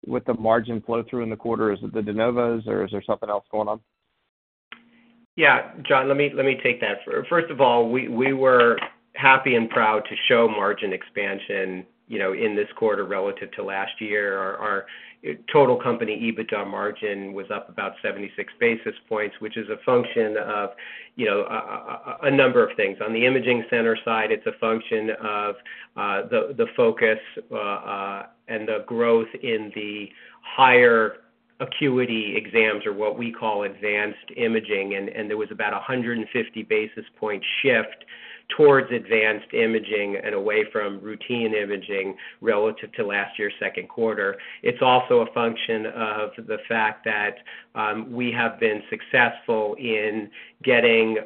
with the margin flow-through in the quarter? Is it the de novos, or is there something else going on? Yeah, John, let me take that. First of all, we were happy and proud to show margin expansion, you know, in this quarter relative to last year. Our total company EBITDA margin was up about 76 basis points, which is a function of, you know, a number of things. On the imaging center side, it's a function of the focus and the growth in the higher acuity exams, or what we call advanced imaging. And there was about a 150 basis point shift towards advanced imaging and away from routine imaging relative to last year's second quarter. It's also a function of the fact that we have been successful in getting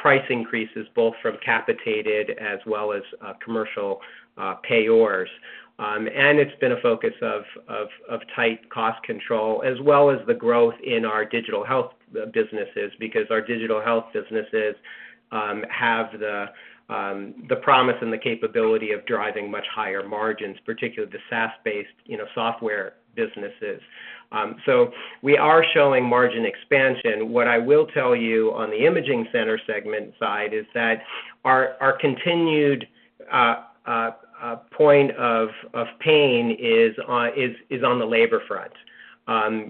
price increases both from capitated as well as commercial payers. And it's been a focus of tight cost control, as well as the growth in our digital health businesses, because our digital health businesses have the promise and the capability of driving much higher margins, particularly the SaaS-based, you know, software businesses. So we are showing margin expansion. What I will tell you on the imaging center segment side is that our continued point of pain is on the labor front.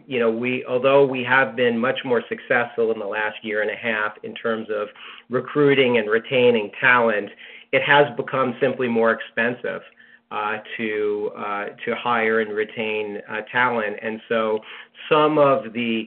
You know, we—although we have been much more successful in the last year and a half in terms of recruiting and retaining talent, it has become simply more expensive to hire and retain talent. And so some of the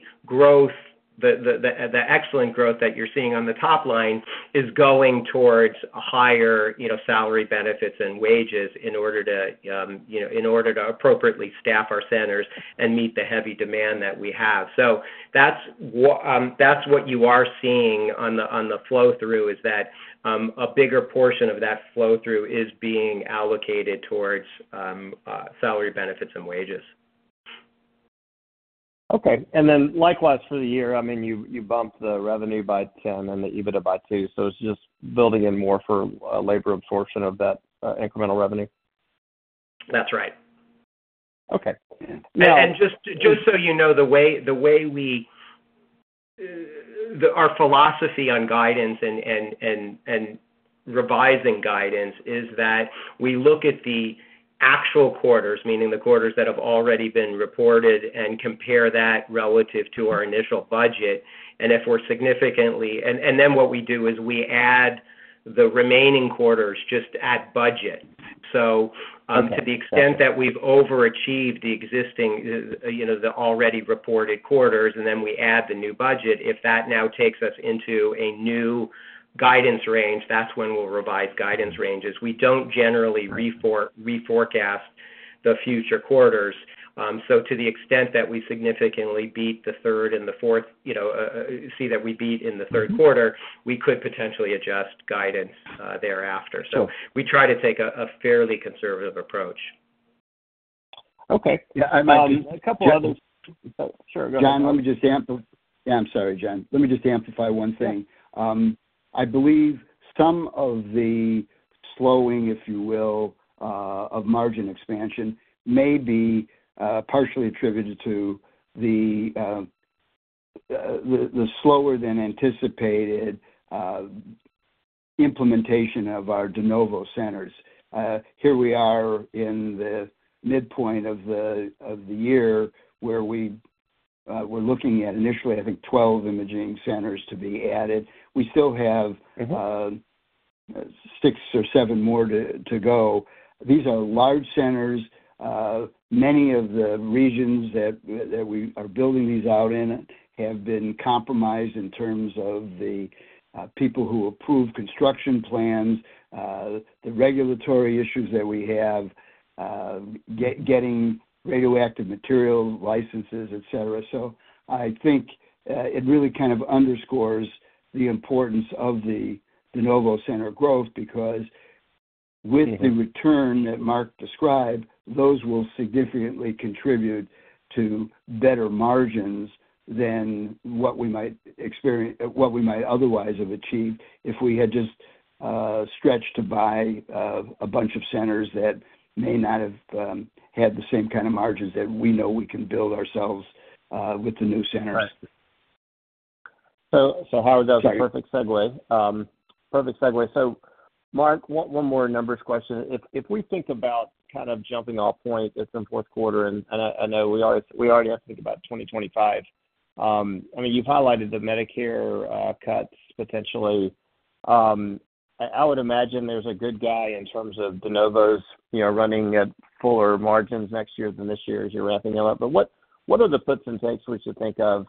excellent growth that you're seeing on the top line is going towards higher, you know, salary, benefits and wages in order to, you know, in order to appropriately staff our centers and meet the heavy demand that we have. So that's what you are seeing on the flow-through, is that a bigger portion of that flow-through is being allocated towards salary, benefits, and wages. Okay. And then likewise for the year, I mean, you bumped the revenue by $10 and the EBITDA by $2, so it's just building in more for labor absorption of that incremental revenue? That's right. Okay. Just so you know, the way we—our philosophy on guidance and revising guidance is that we look at the actual quarters, meaning the quarters that have already been reported, and compare that relative to our initial budget. And if we're significantly—and then what we do is we add the remaining quarters just at budget. Okay. So to the extent that we've overachieved the existing, you know, the already reported quarters, and then we add the new budget, if that now takes us into a new guidance range, that's when we'll revise guidance ranges. We don't generally reforecast the future quarters. So to the extent that we significantly beat the third and the fourth, you know, see that we beat in the third quarter- -we could potentially adjust guidance thereafter. So we try to take a fairly conservative approach. Okay. Yeah, I might- A couple other... Sure, go ahead. John, let me just. Yeah. I'm sorry, John. Let me just amplify one thing. Yeah. I believe some of the slowing, if you will, of margin expansion may be partially attributed to the slower than anticipated implementation of our De Novo centers. Here we are in the midpoint of the year, where we were looking at initially, I think, 12 imaging centers to be added. We still have- Mm-hmm. Six or seven more to go. These are large centers. Many of the regions that we are building these out in have been compromised in terms of the people who approve construction plans, the regulatory issues that we have, getting radioactive material licenses, et cetera. So I think it really kind of underscores the importance of the de novo center growth, because-... with the return that Mark described, those will significantly contribute to better margins than what we might experience, what we might otherwise have achieved if we had just stretched to buy a bunch of centers that may not have had the same kind of margins that we know we can build ourselves with the new centers. Right. So, Howard, that was a perfect segue. Perfect segue. So Mark, one more numbers question. If we think about kind of jumping off point this in fourth quarter, and I know we already have to think about 2025. I mean, you've highlighted the Medicare cuts potentially. I would imagine there's a good guy in terms of de novos, you know, running at fuller margins next year than this year as you're ramping them up. But what are the puts and takes we should think of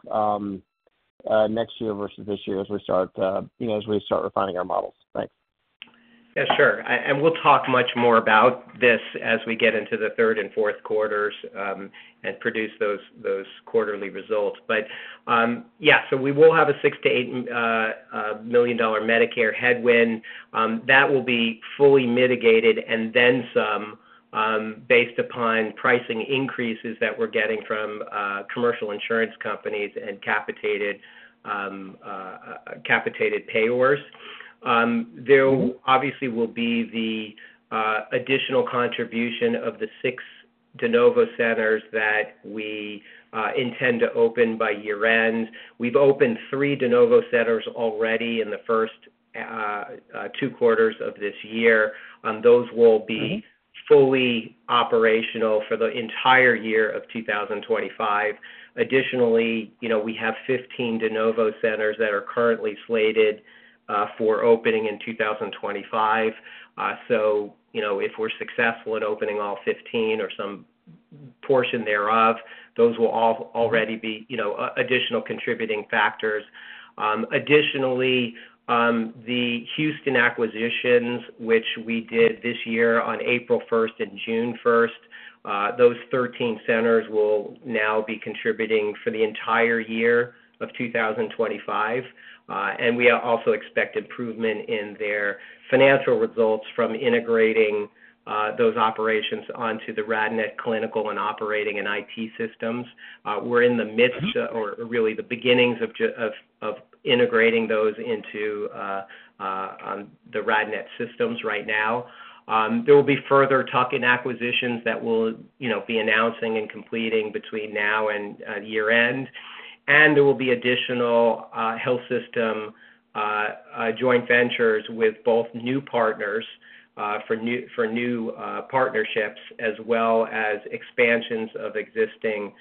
next year versus this year as we start, you know, refining our models? Thanks. Yeah, sure. And we'll talk much more about this as we get into the third and fourth quarters, and produce those quarterly results. But, yeah, so we will have a $6 million-$8 million Medicare headwind that will be fully mitigated and then some, based upon pricing increases that we're getting from commercial insurance companies and capitated payers. There obviously will be the additional contribution of the 6 De Novo centers that we intend to open by year-end. We've opened 3 De Novo centers already in the first 2 quarters of this year, and those will be fully operational for the entire year of 2025. Additionally, you know, we have 15 De Novo centers that are currently slated for opening in 2025. So you know, if we're successful at opening all 15 or some portion thereof, those will all already be, you know, additional contributing factors. Additionally, the Houston acquisitions, which we did this year on April 1st and June 1st, those 13 centers will now be contributing for the entire year of 2025. And we also expect improvement in their financial results from integrating those operations onto the RadNet clinical and operating and IT systems. We're in the midst-... or really the beginnings of integrating those into the RadNet systems right now. There will be further tuck-in acquisitions that we'll, you know, be announcing and completing between now and year-end. And there will be additional health system joint ventures with both new partners for new partnerships, as well as expansions of existing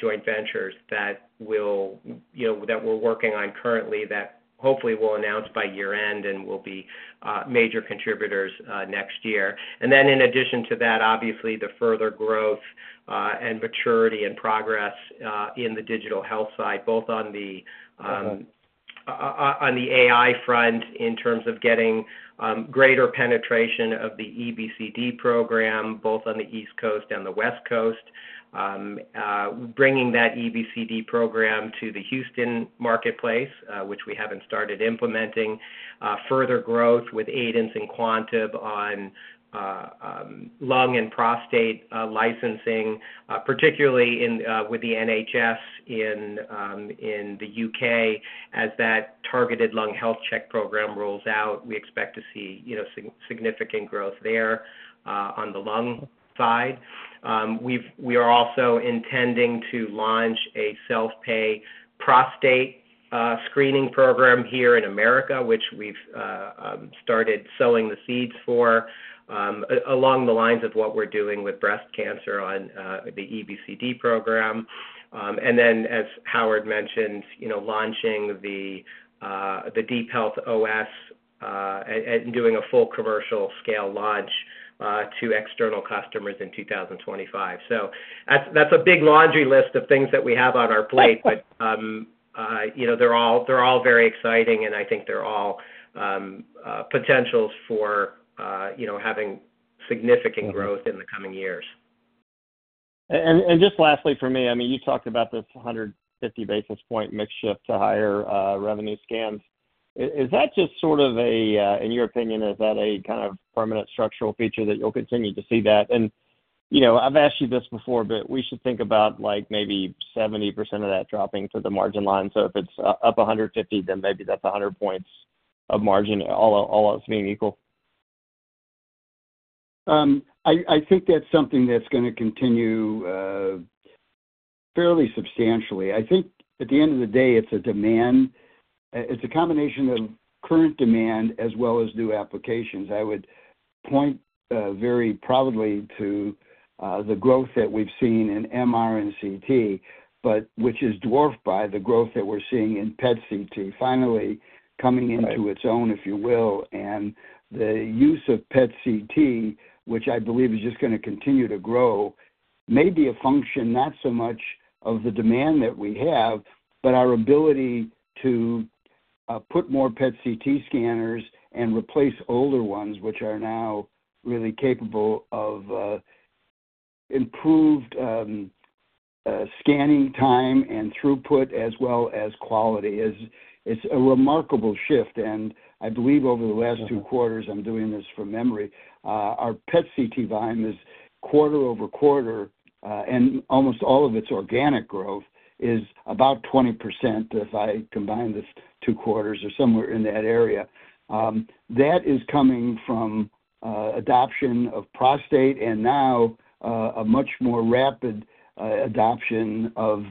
joint ventures that we'll, you know, that we're working on currently, that hopefully we'll announce by year-end and will be major contributors next year. And then in addition to that, obviously, the further growth and maturity and progress in the digital health side, both on the AI front, in terms of getting greater penetration of the EBCD program, both on the East Coast and the West Coast. Bringing that EBCD program to the Houston marketplace, which we haven't started implementing. Further growth with Aidence and Quantib on lung and prostate licensing, particularly with the NHS in the UK. As that targeted lung health check program rolls out, we expect to see, you know, significant growth there on the lung side. We are also intending to launch a self-pay prostate screening program here in America, which we've started sowing the seeds for, along the lines of what we're doing with breast cancer on the EBCD program. And then, as Howard mentioned, you know, launching the DeepHealth OS and doing a full commercial scale launch to external customers in 2025. So that's a big laundry list of things that we have on our plate. Right. But, you know, they're all very exciting, and I think they're all potentials for, you know, having significant growth.... in the coming years. Just lastly, for me, I mean, you talked about this 150 basis point mix shift to higher revenue scans. Is that just sort of a, in your opinion, is that a kind of permanent structural feature that you'll continue to see that? You know, I've asked you this before, but we should think about, like, maybe 70% of that dropping to the margin line. If it's up 150, then maybe that's 100 points of margin, all else being equal. I think that's something that's gonna continue fairly substantially. I think at the end of the day, it's a combination of current demand as well as new applications. I would point very proudly to the growth that we've seen in MR and CT, but which is dwarfed by the growth that we're seeing in PET CT, finally coming into- Right... its own, if you will. And the use of PET CT, which I believe is just gonna continue to grow, may be a function, not so much of the demand that we have, but our ability to put more PET CT scanners and replace older ones, which are now really capable of improved scanning time and throughput as well as quality. It's a remarkable shift, and I believe over the last two quarters, I'm doing this from memory, our PET CT volume is quarter-over-quarter, and almost all of its organic growth is about 20% if I combine these two quarters, or somewhere in that area. That is coming from adoption of prostate and now a much more rapid adoption of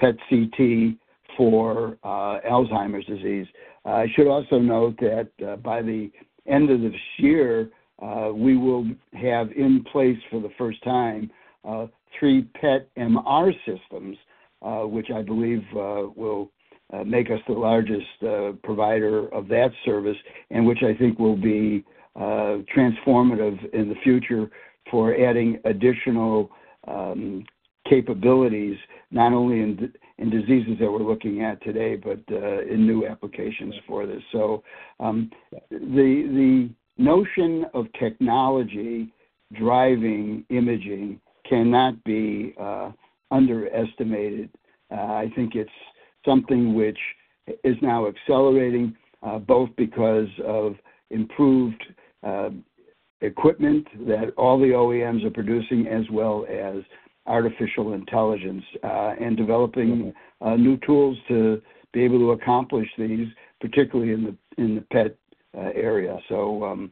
PET CT for Alzheimer's disease. I should also note that, by the end of this year, we will have in place for the first time, three PET MR systems, which I believe will make us the largest provider of that service, and which I think will be transformative in the future for adding additional capabilities, not only in diseases that we're looking at today, but in new applications for this. So, the notion of technology driving imaging cannot be underestimated. I think it's something which is now accelerating, both because of improved equipment that all the OEMs are producing, as well as artificial intelligence and developing new tools to be able to accomplish these, particularly in the PET area. So,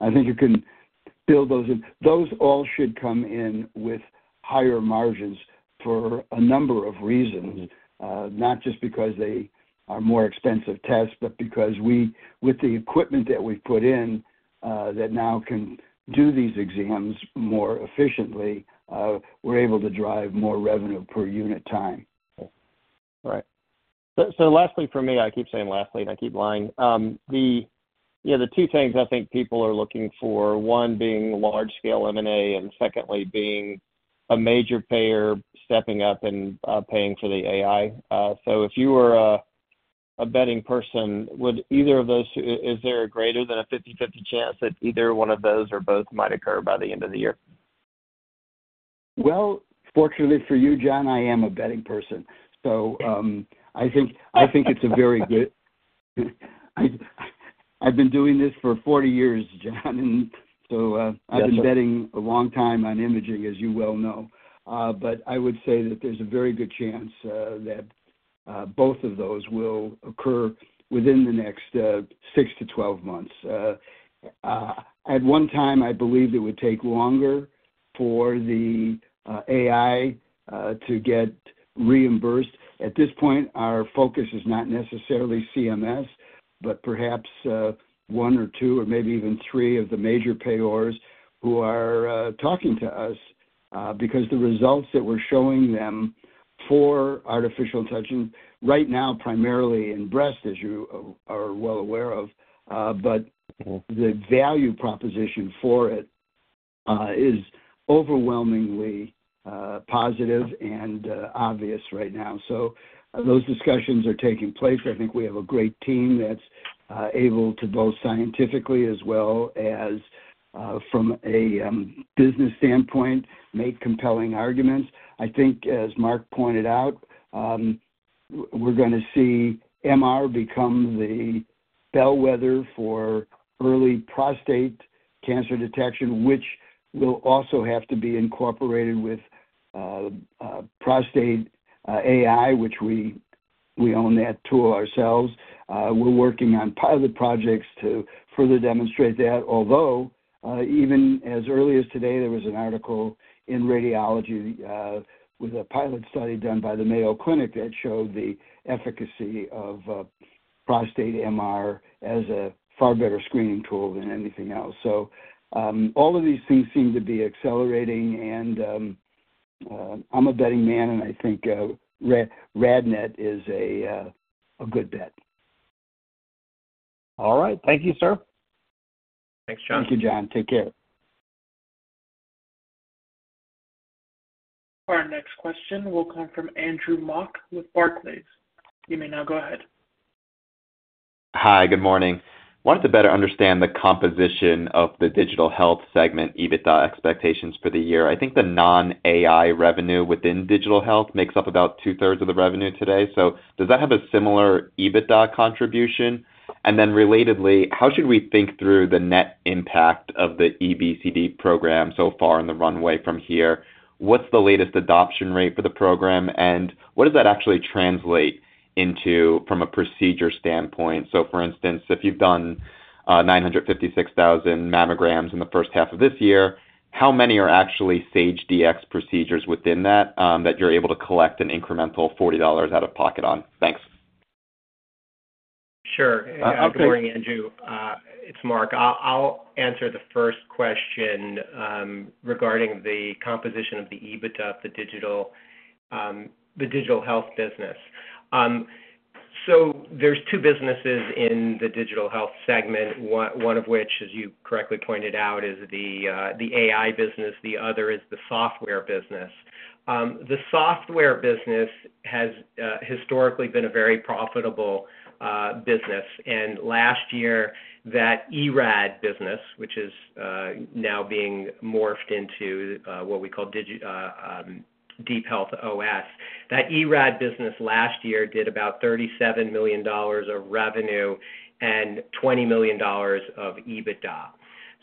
I think you can build those in. Those all should come in with higher margins for a number of reasons. Not just because they are more expensive tests, but because we, with the equipment that we've put in, that now can do these exams more efficiently, we're able to drive more revenue per unit time. Right. So lastly, for me, I keep saying lastly, and I keep lying. Yeah, the two things I think people are looking for, one, being large-scale M&A, and secondly, being a major payer stepping up and paying for the AI. So if you were a betting person, would either of those... Is there a greater than a 50/50 chance that either one of those or both might occur by the end of the year? Well, fortunately for you, John, I am a betting person. So, I've been doing this for 40 years, John, and so, I've been betting a long time on imaging, as you well know. But I would say that there's a very good chance that both of those will occur within the next 6 to 12 months. At one time, I believed it would take longer for the AI to get reimbursed. At this point, our focus is not necessarily CMS, but perhaps 1 or 2 or maybe even 3 of the major payers who are talking to us because the results that we're showing them for artificial intelligence, right now, primarily in breast, as you are well aware of, but-... the value proposition for it is overwhelmingly positive and obvious right now. So those discussions are taking place. I think we have a great team that's able to, both scientifically as well as from a business standpoint, make compelling arguments. I think as Mark pointed out, we're gonna see MR become the bellwether for early prostate cancer detection, which will also have to be incorporated with prostate AI, which we own that tool ourselves. We're working on pilot projects to further demonstrate that, although even as early as today, there was an article in Radiology with a pilot study done by the Mayo Clinic that showed the efficacy of prostate MR as a far better screening tool than anything else. So, all of these things seem to be accelerating, and I'm a betting man, and I think RadNet is a good bet. All right. Thank you, sir. Thanks, John. Thank you, John. Take care. Our next question will come from Andrew Mok with Barclays. You may now go ahead. Hi, good morning. Wanted to better understand the composition of the digital health segment, EBITDA expectations for the year. I think the non-AI revenue within digital health makes up about two-thirds of the revenue today. So does that have a similar EBITDA contribution? And then relatedly, how should we think through the net impact of the EBCD program so far in the runway from here? What's the latest adoption rate for the program, and what does that actually translate into from a procedure standpoint? So for instance, if you've done 956,000 mammograms in the first half of this year, how many are actually Stage DX procedures within that, that you're able to collect an incremental $40 out-of-pocket on? Thanks. Sure. Good morning, Andrew, it's Mark. I'll, I'll answer the first question, regarding the composition of the EBITDA, the digital, the digital health business. So there's two businesses in the digital health segment, one, one of which, as you correctly pointed out, is the, the AI business, the other is the software business. The software business has, historically been a very profitable, business, and last year, that eRAD business, which is, now being morphed into, what we call DeepHealth OS. That eRAD business last year did about $37 million of revenue and $20 million of EBITDA.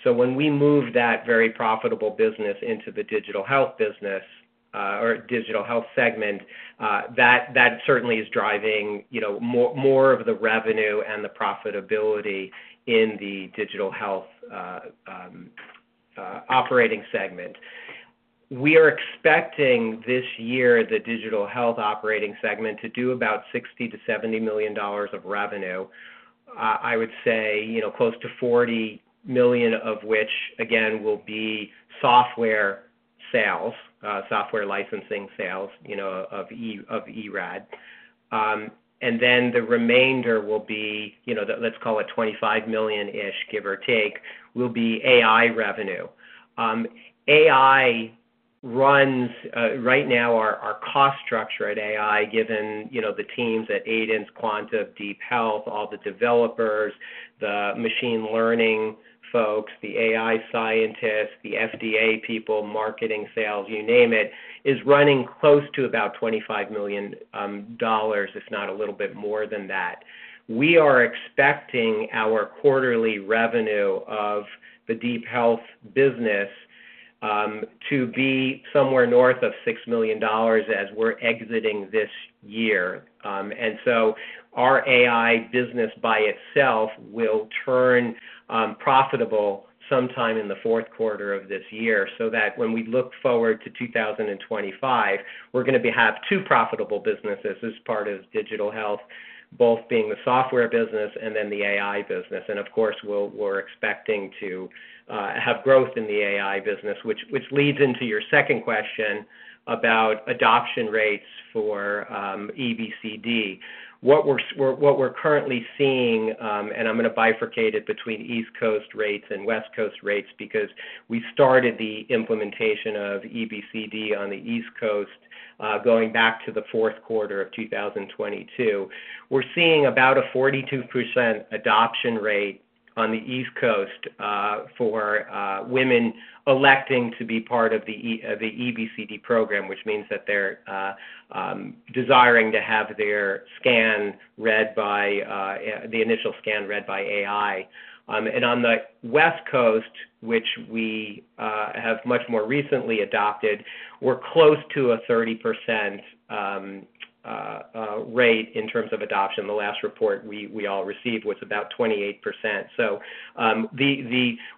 So when we move that very profitable business into the digital health business, or digital health segment, that, that certainly is driving, you know, more, more of the revenue and the profitability in the digital health, operating segment. We are expecting this year, the digital health operating segment, to do about $60-$70 million of revenue. I would say, you know, close to $40 million of which, again, will be software sales, software licensing sales, you know, of eRAD. And then the remainder will be, you know, let's call it $25 million-ish, give or take, will be AI revenue. AI runs, right now our cost structure at AI, given you know the teams at Aidence, Quantib, DeepHealth, all the developers, the machine learning folks, the AI scientists, the FDA people, marketing, sales, you name it, is running close to about $25 million, if not a little bit more than that. We are expecting our quarterly revenue of the DeepHealth business to be somewhere north of $6 million as we're exiting this year. And so our AI business by itself will turn profitable sometime in the fourth quarter of this year, so that when we look forward to 2025, we're going to be have two profitable businesses as part of digital health, both being the software business and then the AI business. Of course, we're expecting to have growth in the AI business, which leads into your second question about adoption rates for EBCD. What we're currently seeing, and I'm going to bifurcate it between East Coast rates and West Coast rates, because we started the implementation of EBCD on the East Coast, going back to the fourth quarter of 2022. We're seeing about a 42% adoption rate on the East Coast, for women electing to be part of the EBCD program, which means that they're desiring to have their scan read by the initial scan read by AI. And on the West Coast, which we have much more recently adopted, we're close to a 30%, a rate in terms of adoption. The last report we all received was about 28%. So,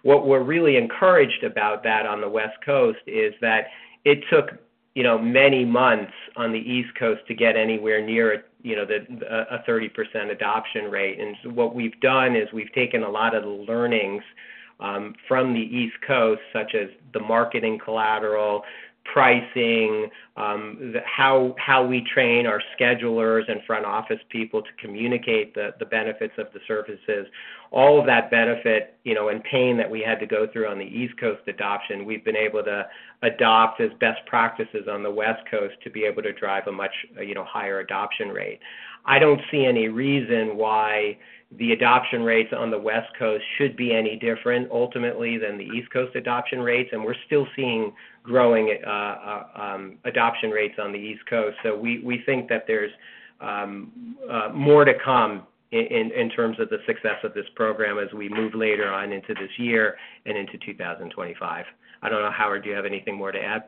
what we're really encouraged about that on the West Coast is that it took, you know, many months on the East Coast to get anywhere near, you know, a 30% adoption rate. And what we've done is we've taken a lot of the learnings from the East Coast, such as the marketing collateral, pricing, the how we train our schedulers and front office people to communicate the benefits of the services. All of that benefit, you know, and pain that we had to go through on the East Coast adoption, we've been able to adopt as best practices on the West Coast to be able to drive a much, you know, higher adoption rate. I don't see any reason why the adoption rates on the West Coast should be any different, ultimately, than the East Coast adoption rates, and we're still seeing growing adoption rates on the East Coast. So we think that there's more to come in terms of the success of this program as we move later on into this year and into 2025. I don't know, Howard, do you have anything more to add?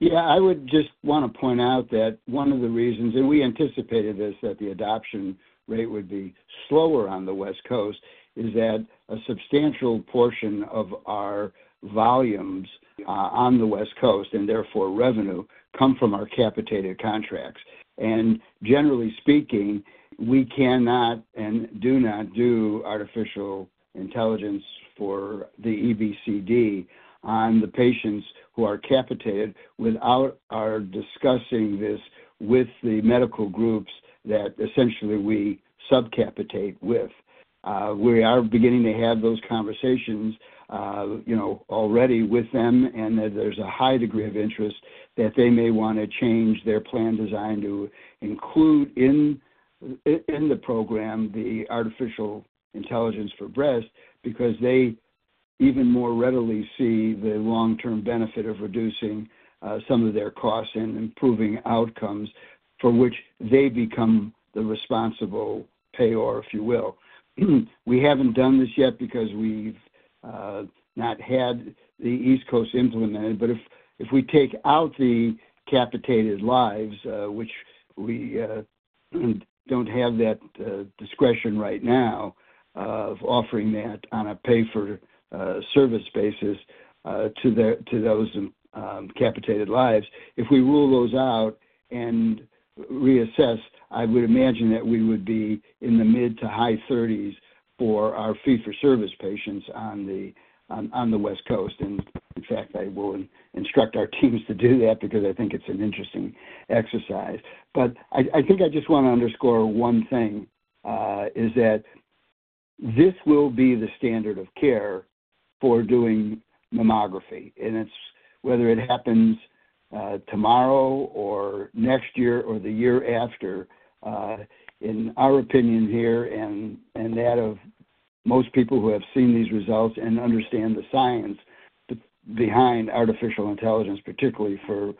Yeah. I would just want to point out that one of the reasons, and we anticipated this, that the adoption rate would be slower on the West Coast, is that a substantial portion of our volumes on the West Coast, and therefore revenue, come from our capitated contracts. And generally speaking, we cannot and do not do artificial intelligence for the EBCD on the patients who are capitated without our discussing this with the medical groups that essentially we sub-capitate with. We are beginning to have those conversations, you know, already with them, and that there's a high degree of interest that they may want to change their plan design to include in the program, the artificial intelligence for breast, because they even more readily see the long-term benefit of reducing some of their costs and improving outcomes for which they become the responsible payer, if you will. We haven't done this yet because we've not had the East Coast implemented, but if we take out the capitated lives, which we don't have that discretion right now, of offering that on a pay-for service basis, to those capitated lives. If we rule those out and reassess, I would imagine that we would be in the mid to high thirties for our fee-for-service patients on the West Coast. And in fact, I will instruct our teams to do that because I think it's an interesting exercise. But I think I just want to underscore one thing, is that this will be the standard of care for doing mammography, and it's whether it happens tomorrow or next year or the year after. In our opinion here and that of most people who have seen these results and understand the science behind artificial intelligence, particularly for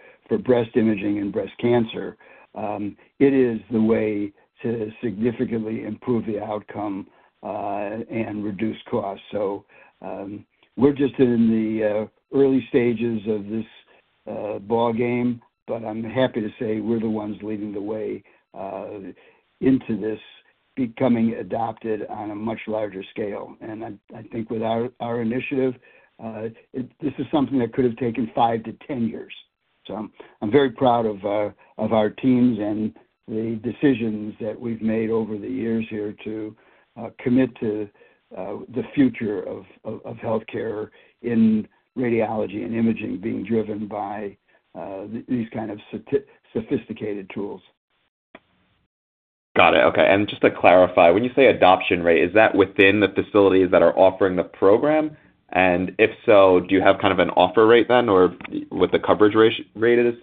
breast imaging and breast cancer, it is the way to significantly improve the outcome and reduce costs. So, we're just in the early stages of this ballgame, but I'm happy to say we're the ones leading the way into this becoming adopted on a much larger scale. And I think with our initiative, this is something that could have taken 5-10 years. So I'm very proud of our teams and the decisions that we've made over the years here to commit to the future of healthcare in radiology and imaging being driven by these kind of sophisticated tools. Got it. Okay. And just to clarify, when you say adoption rate, is that within the facilities that are offering the program? And if so, do you have kind of an offer rate then or what the coverage ratio rate is?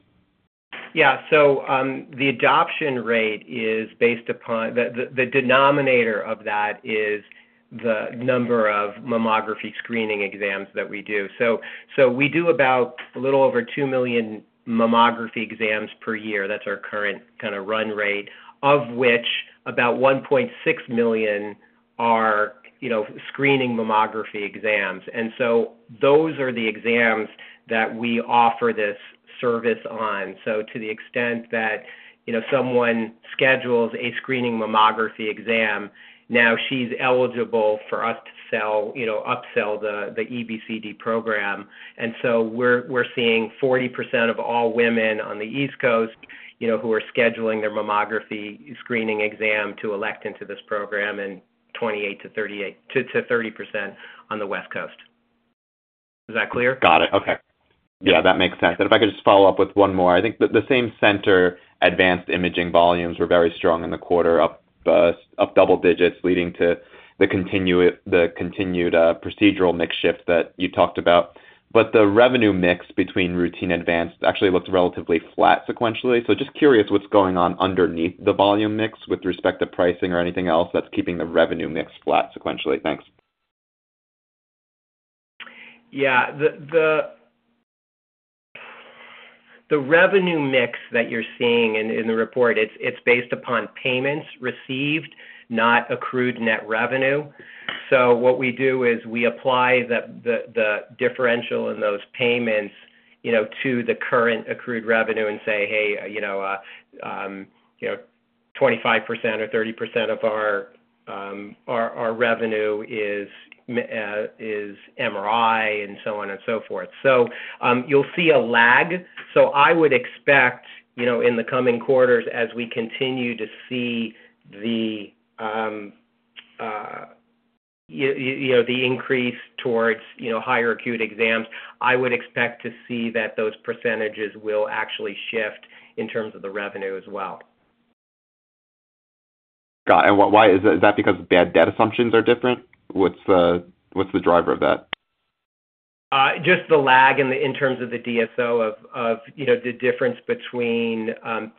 Yeah. So, the adoption rate is based upon-- the denominator of that is the number of mammography screening exams that we do. So we do about a little over 2 million mammography exams per year. That's our current kinda run rate, of which about 1.6 million are, you know, screening mammography exams. And so those are the exams that we offer this service on. So to the extent that, you know, someone schedules a screening mammography exam, now she's eligible for us to sell, you know, upsell the EBCD program. And so we're seeing 40% of all women on the East Coast, you know, who are scheduling their mammography screening exam to elect into this program, and 28%-30% on the West Coast. Is that clear? Got it. Okay. Yeah, that makes sense. And if I could just follow up with one more. I think the same center advanced imaging volumes were very strong in the quarter, up, up double digits, leading to the continued procedural mix shift that you talked about. But the revenue mix between routine advanced actually looked relatively flat sequentially. So just curious what's going on underneath the volume mix with respect to pricing or anything else that's keeping the revenue mix flat sequentially. Thanks. Yeah, the revenue mix that you're seeing in the report, it's based upon payments received, not accrued net revenue. So what we do is we apply the differential in those payments, you know, to the current accrued revenue and say, "Hey, you know, you know, 25% or 30% of our revenue is MRI," and so on and so forth. So you'll see a lag. So I would expect, you know, in the coming quarters, as we continue to see you know, the increase towards, you know, higher acute exams, I would expect to see that those percentages will actually shift in terms of the revenue as well. Got it. And why is that because the debt assumptions are different? What's the driver of that? Just the lag in the terms of the DSO of, you know, the difference between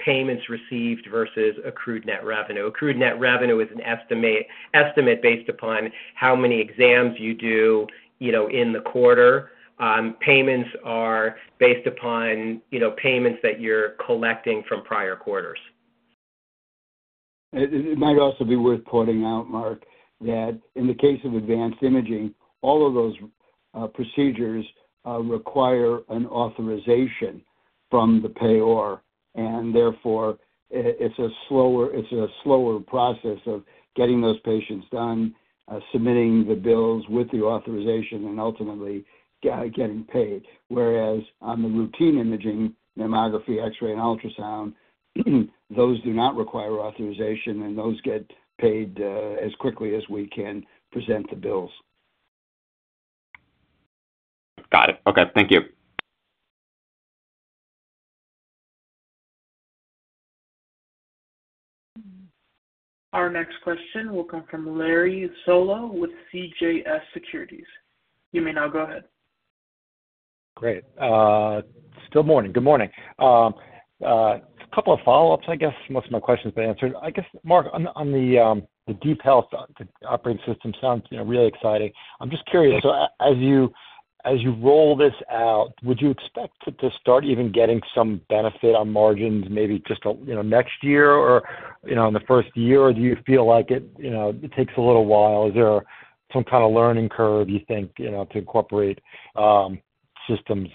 payments received versus accrued net revenue. Accrued net revenue is an estimate based upon how many exams you do, you know, in the quarter. Payments are based upon, you know, payments that you're collecting from prior quarters. It might also be worth pointing out, Mark, that in the case of advanced imaging, all of those procedures require an authorization from the payer, and therefore, it's a slower process of getting those patients done, submitting the bills with the authorization, and ultimately, getting paid. Whereas on the routine imaging, mammography, X-ray, and ultrasound, those do not require authorization, and those get paid as quickly as we can present the bills. Got it. Okay, thank you. Our next question will come from Larry Solow with CJS Securities. You may now go ahead. Great. Still morning. Good morning. A couple of follow-ups. I guess most of my questions have been answered. I guess, Mark, on the, on the, the DeepHealth operating system sounds, you know, really exciting. I'm just curious, so as you, as you roll this out, would you expect to start even getting some benefit on margins, maybe just, you know, next year or, you know, in the first year? Or do you feel like it, you know, it takes a little while? Is there some kind of learning curve you think, you know, to incorporate, systems,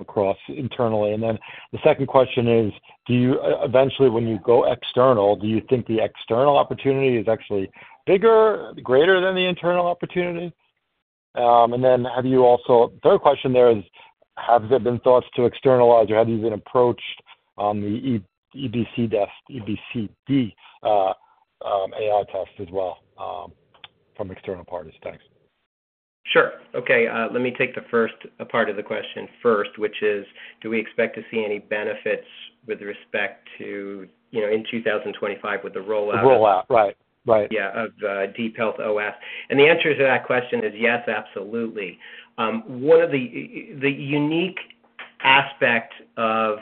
across internally? And then the second question is: do you... Eventually, when you go external, do you think the external opportunity is actually bigger, greater than the internal opportunity? And then have you also, third question there is: have there been thoughts to externalize, or have you been approached on the EBCD AI test as well from external parties? Thanks. Sure. Okay, let me take the first part of the question first, which is: do we expect to see any benefits with respect to, you know, in 2025 with the rollout? The rollout. Right. Right. Yeah, of the DeepHealth OS. The answer to that question is yes, absolutely. One of the unique aspect of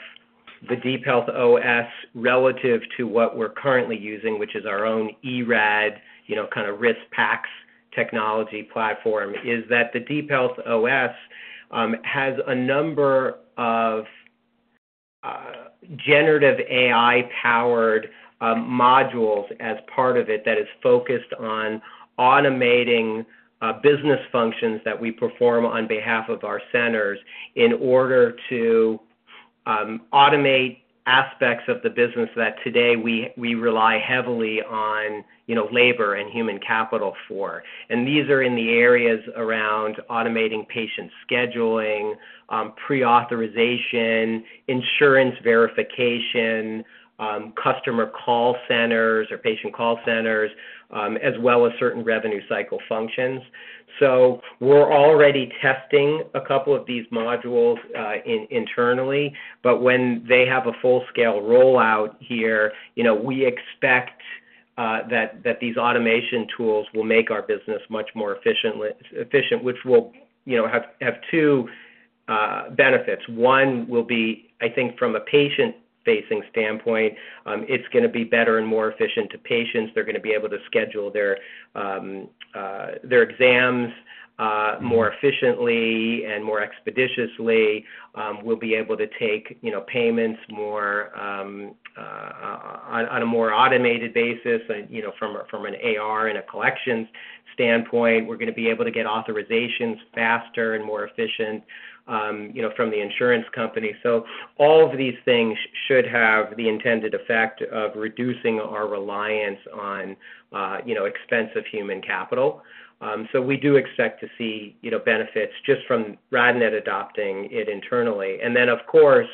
the DeepHealth OS relative to what we're currently using, which is our own eRAD, you know, kind of RIS PACS technology platform, is that the DeepHealth OS has a number of generative AI-powered modules as part of it that is focused on automating business functions that we perform on behalf of our centers in order to automate aspects of the business that today we rely heavily on, you know, labor and human capital for. These are in the areas around automating patient scheduling, pre-authorization, insurance verification, customer call centers or patient call centers, as well as certain revenue cycle functions. So we're already testing a couple of these modules internally, but when they have a full-scale rollout here, you know, we expect that these automation tools will make our business much more efficient, which will, you know, have two benefits. One will be, I think, from a patient-facing standpoint, it's gonna be better and more efficient to patients. They're gonna be able to schedule their exams more efficiently and more expeditiously. We'll be able to take, you know, payments more on a more automated basis, you know, from an AR and a collections standpoint. We're gonna be able to get authorizations faster and more efficient, you know, from the insurance company. So all of these things should have the intended effect of reducing our reliance on, you know, expensive human capital. So we do expect to see, you know, benefits just from RadNet adopting it internally. And then, of course,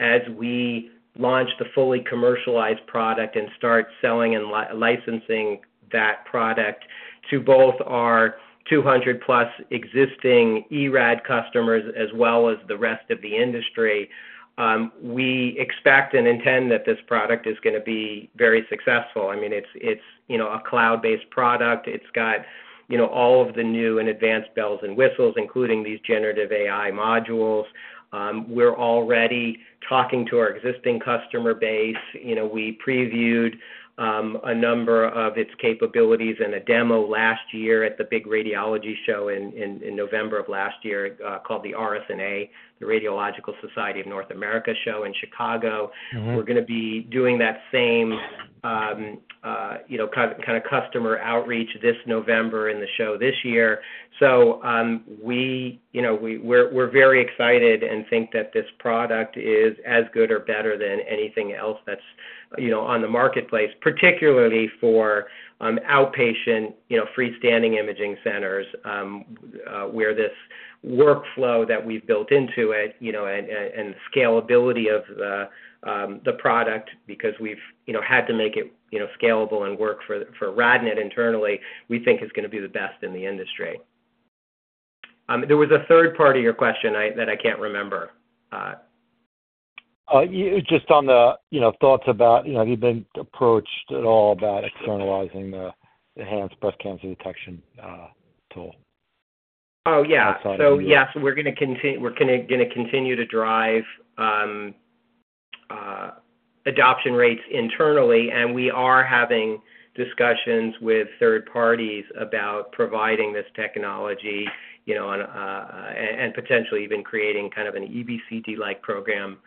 as we launch the fully commercialized product and start selling and licensing that product to both our 200+ existing eRAD customers, as well as the rest of the industry, we expect and intend that this product is gonna be very successful. I mean, it's, it's, you know, a cloud-based product. It's got, you know, all of the new and advanced bells and whistles, including these generative AI modules. We're already talking to our existing customer base. You know, we previewed a number of its capabilities and a demo last year at the big radiology show in November of last year, called the RSNA, the Radiological Society of North America show in Chicago. We're gonna be doing that same, you know, kind of customer outreach this November in the show this year. So, you know, we're very excited and think that this product is as good or better than anything else that's, you know, on the marketplace, particularly for, outpatient, you know, freestanding imaging centers, where this workflow that we've built into it, you know, and the scalability of the, the product, because we've, you know, had to make it, you know, scalable and work for, for RadNet internally, we think is gonna be the best in the industry. There was a third part of your question that I can't remember. Just on the, you know, thoughts about, you know, have you been approached at all about externalizing the enhanced breast cancer detection tool? Oh, yeah. That side of the world. So, yes, we're gonna continue to drive adoption rates internally, and we are having discussions with third parties about providing this technology, you know, on... And potentially even creating kind of an EBCD-like program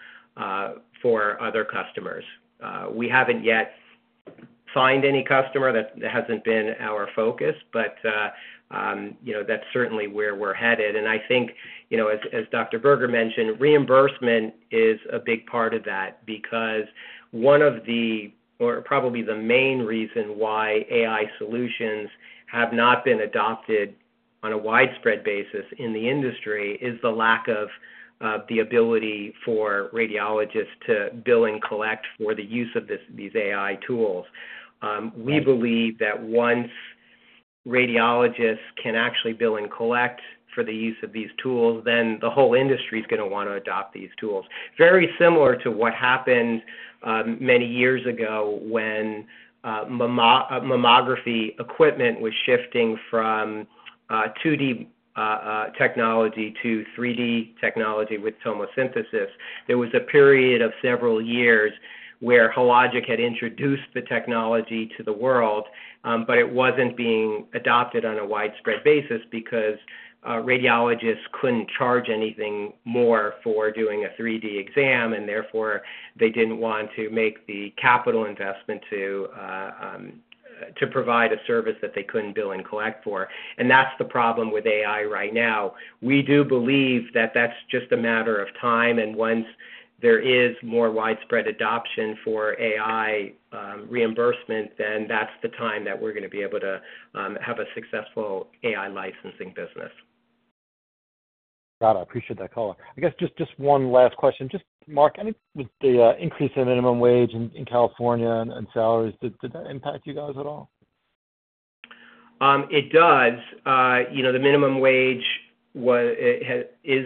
for other customers. We haven't yet signed any customer. That hasn't been our focus, but, you know, that's certainly where we're headed. And I think, you know, as Dr. Berger mentioned, reimbursement is a big part of that because one of the... Or probably the main reason why AI solutions have not been adopted on a widespread basis in the industry is the lack of the ability for radiologists to bill and collect for the use of these AI tools. We believe that once radiologists can actually bill and collect for the use of these tools, then the whole industry is gonna want to adopt these tools. Very similar to what happened, many years ago when mammography equipment was shifting from 2D technology to 3D technology with tomosynthesis. There was a period of several years where Hologic had introduced the technology to the world, but it wasn't being adopted on a widespread basis because radiologists couldn't charge anything more for doing a 3D exam, and therefore, they didn't want to make the capital investment to provide a service that they couldn't bill and collect for. That's the problem with AI right now. We do believe that that's just a matter of time, and once there is more widespread adoption for AI, reimbursement, then that's the time that we're gonna be able to, have a successful AI licensing business. Got it. I appreciate that color. I guess just one last question. Just, Mark, any... With the increase in minimum wage in California and salaries, did that impact you guys at all? It does. You know, the minimum wage is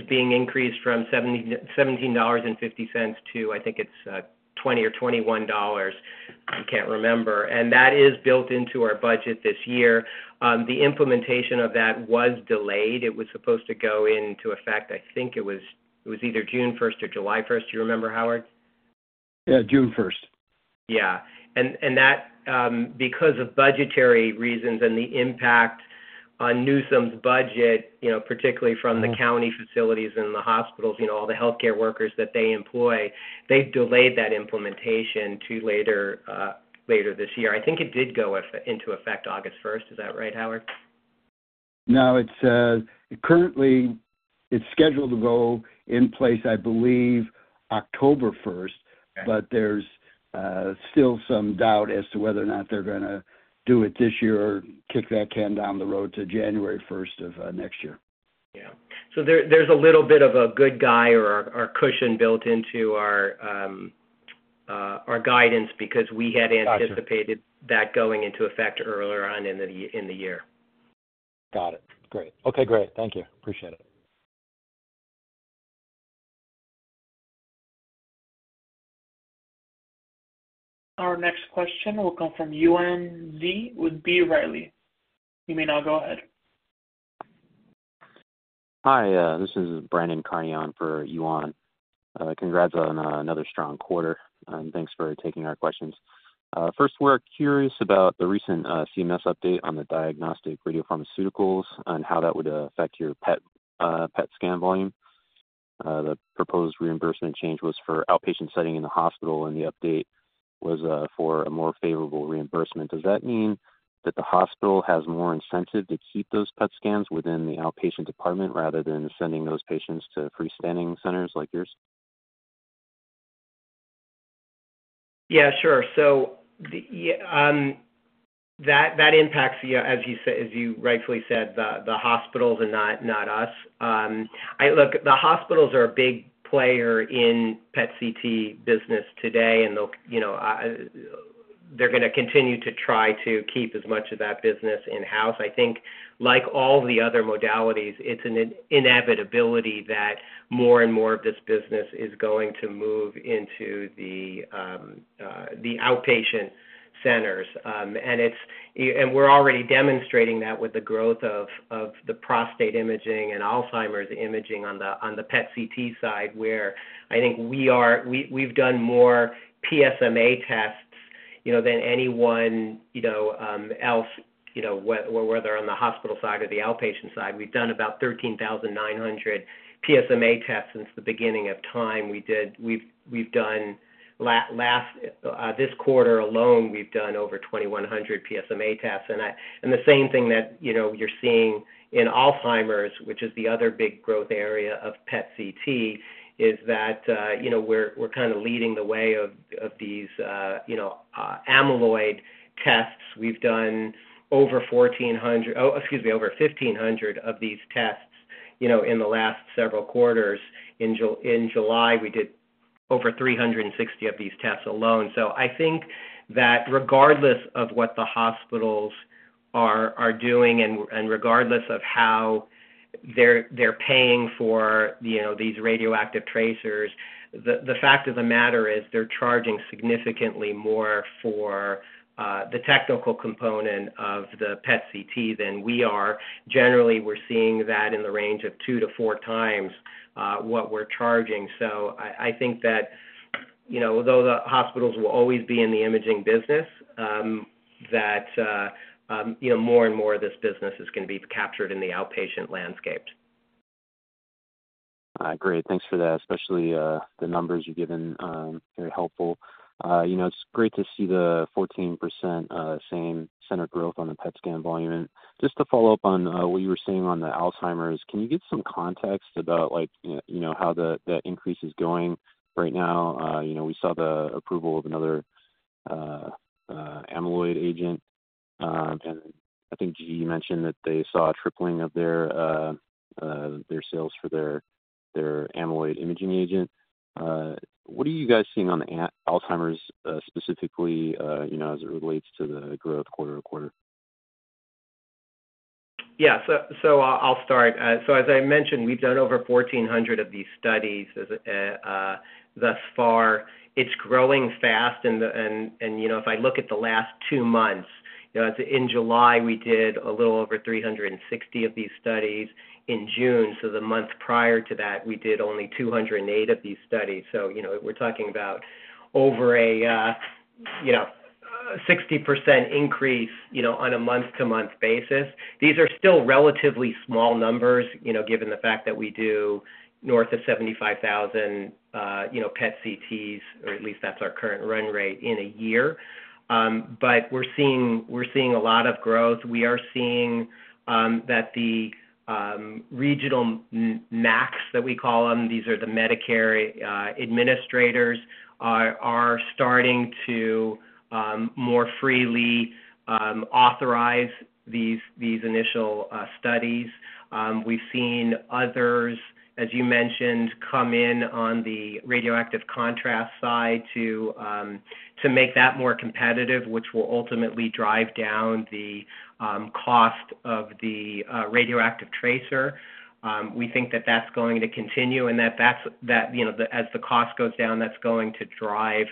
being increased from $17.50 to, I think it's, 20 or 21 dollars. I can't remember. That is built into our budget this year. The implementation of that was delayed. It was supposed to go into effect, I think it was, it was either June 1st or July 1st. Do you remember, Howard? Yeah, June 1st. Yeah. And that, because of budgetary reasons and the impact on Newsom's budget, you know, particularly from the county facilities and the hospitals, you know, all the healthcare workers that they employ, they've delayed that implementation to later, later this year. I think it did go into effect August 1st. Is that right, Howard?... No, it's currently scheduled to go in place, I believe, October first. But there's still some doubt as to whether or not they're gonna do it this year or kick that can down the road to January first of next year. Yeah. So there, there's a little bit of a good guy or cushion built into our guidance because we had- Got you. anticipated that going into effect earlier on in the year. Got it. Great. Okay, great. Thank you. Appreciate it. Our next question will come from Yuan Zhi with B. Riley. You may now go ahead. Hi, this is Brandon Carney for Yuan. Congrats on another strong quarter, and thanks for taking our questions. First, we're curious about the recent CMS update on the diagnostic radiopharmaceuticals and how that would affect your PET scan volume. The proposed reimbursement change was for outpatient setting in the hospital, and the update was for a more favorable reimbursement. Does that mean that the hospital has more incentive to keep those PET scans within the outpatient department, rather than sending those patients to freestanding centers like yours? Yeah, sure. So yeah, that impacts the, as you rightfully said, the hospitals and not us. Look, the hospitals are a big player in PET/CT business today, and they'll, you know, they're gonna continue to try to keep as much of that business in-house. I think, like all the other modalities, it's an inevitability that more and more of this business is going to move into the outpatient centers. And we're already demonstrating that with the growth of the prostate imaging and Alzheimer's imaging on the PET/CT side, where I think we are, we've done more PSMA tests, you know, than anyone, you know, else, whether on the hospital side or the outpatient side. We've done about 13,900 PSMA tests since the beginning of time. We've done last this quarter alone, we've done over 2,100 PSMA tests. And the same thing that, you know, you're seeing in Alzheimer's, which is the other big growth area of PET/CT, is that, you know, we're, we're kind of leading the way of these amyloid tests. We've done over 1,400, oh, excuse me, over 1,500 of these tests, you know, in the last several quarters. In July, we did over 360 of these tests alone. So I think that regardless of what the hospitals are doing and regardless of how they're paying for, you know, these radioactive tracers, the fact of the matter is they're charging significantly more for the technical component of the PET/CT than we are. Generally, we're seeing that in the range of 2-4 times what we're charging. So I think that, you know, although the hospitals will always be in the imaging business, that you know, more and more of this business is gonna be captured in the outpatient landscape. Great. Thanks for that, especially, the numbers you've given, very helpful. You know, it's great to see the 14% same center growth on the PET scan volume. Just to follow up on what you were saying on the Alzheimer's, can you give some context about, like, you know, how the increase is going right now? You know, we saw the approval of another amyloid agent, and I think GE mentioned that they saw a tripling of their sales for their amyloid imaging agent. What are you guys seeing on the Alzheimer's, specifically, you know, as it relates to the growth quarter-over-quarter? Yeah. So, I'll start. So as I mentioned, we've done over 1,400 of these studies thus far. It's growing fast, and, and, you know, if I look at the last two months, you know, in July, we did a little over 360 of these studies. In June, so the month prior to that, we did only 208 of these studies. So, you know, we're talking about over a, you know, 60% increase, you know, on a month-to-month basis. These are still relatively small numbers, you know, given the fact that we do north of 75,000, you know, PET/CTs, or at least that's our current run rate in a year. But we're seeing, we're seeing a lot of growth. We are seeing that the regional MACs, that we call them, these are the Medicare administrators, are starting to more freely authorize these initial studies. We've seen others, as you mentioned, come in on the radioactive contrast side to make that more competitive, which will ultimately drive down the cost of the radioactive tracer. We think that that's going to continue and that that's, you know, as the cost goes down, that's going to drive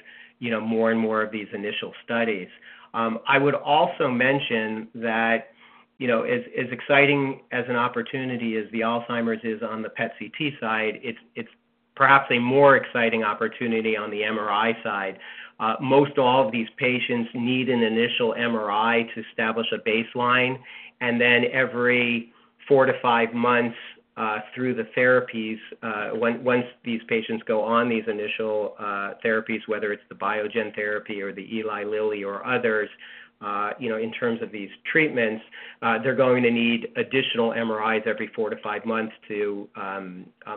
more and more of these initial studies. I would also mention that, as exciting as an opportunity as the Alzheimer's is on the PET/CT side, it's perhaps a more exciting opportunity on the MRI side. Most all of these patients need an initial MRI to establish a baseline, and then every 4-5 months through the therapies, once these patients go on these initial therapies, whether it's the Biogen therapy or the Eli Lilly or others, you know, in terms of these treatments, they're going to need additional MRIs every 4-5 months to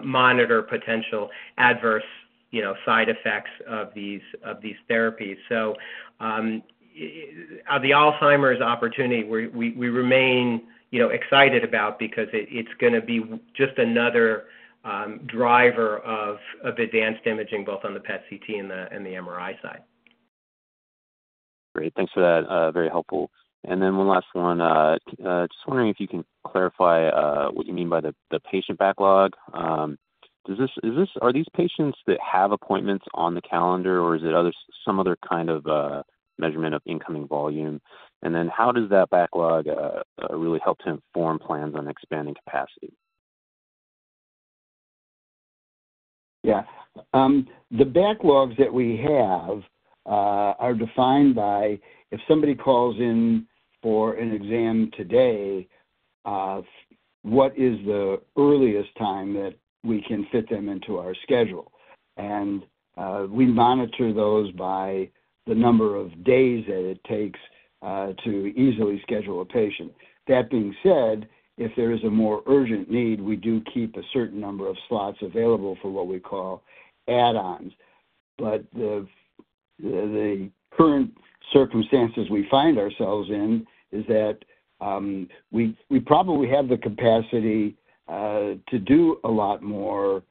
monitor potential adverse, you know, side effects of these therapies. So, the Alzheimer's opportunity, we remain, you know, excited about because it, it's gonna be just another driver of advanced imaging, both on the PET CT and the MRI side. Great. Thanks for that, very helpful. And then one last one. Just wondering if you can clarify what you mean by the patient backlog. Is this, are these patients that have appointments on the calendar, or is it some other kind of measurement of incoming volume? And then how does that backlog really help to inform plans on expanding capacity? Yeah. The backlogs that we have are defined by if somebody calls in for an exam today, what is the earliest time that we can fit them into our schedule? And we monitor those by the number of days that it takes to easily schedule a patient. That being said, if there is a more urgent need, we do keep a certain number of slots available for what we call add-ons. But the current circumstances we find ourselves in is that we probably have the capacity to do a lot more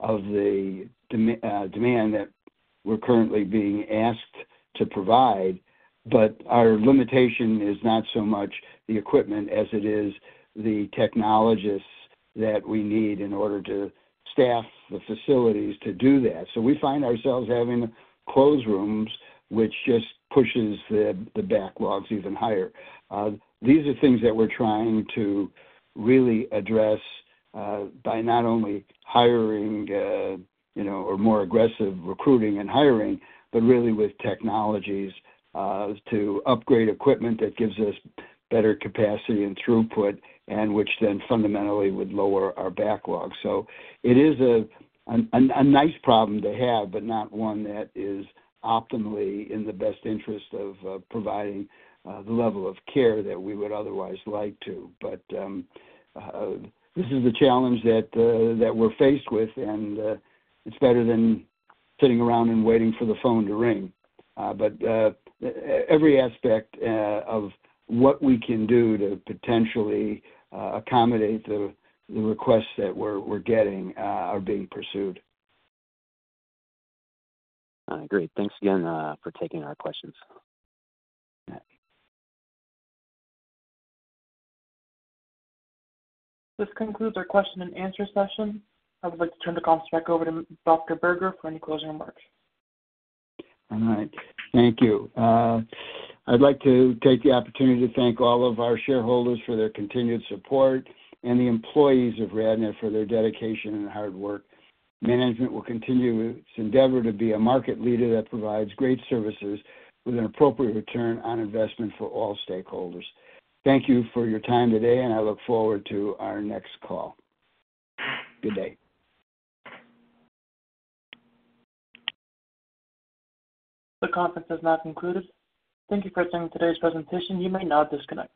of the demand that we're currently being asked to provide, but our limitation is not so much the equipment as it is the technologists that we need in order to staff the facilities to do that. So we find ourselves having closed rooms, which just pushes the backlogs even higher. These are things that we're trying to really address by not only hiring, you know, more aggressive recruiting and hiring, but really with technologies to upgrade equipment that gives us better capacity and throughput, and which then fundamentally would lower our backlog. So it is a nice problem to have, but not one that is optimally in the best interest of providing the level of care that we would otherwise like to. But this is the challenge that we're faced with, and it's better than sitting around and waiting for the phone to ring. Every aspect of what we can do to potentially accommodate the requests that we're getting are being pursued. Great. Thanks again for taking our questions. This concludes our question and answer session. I would like to turn the conference back over to Dr. Berger for any closing remarks. All right. Thank you. I'd like to take the opportunity to thank all of our shareholders for their continued support and the employees of RadNet for their dedication and hard work. Management will continue its endeavor to be a market leader that provides great services with an appropriate return on investment for all stakeholders. Thank you for your time today, and I look forward to our next call. Good day. The conference has now concluded. Thank you for attending today's presentation. You may now disconnect.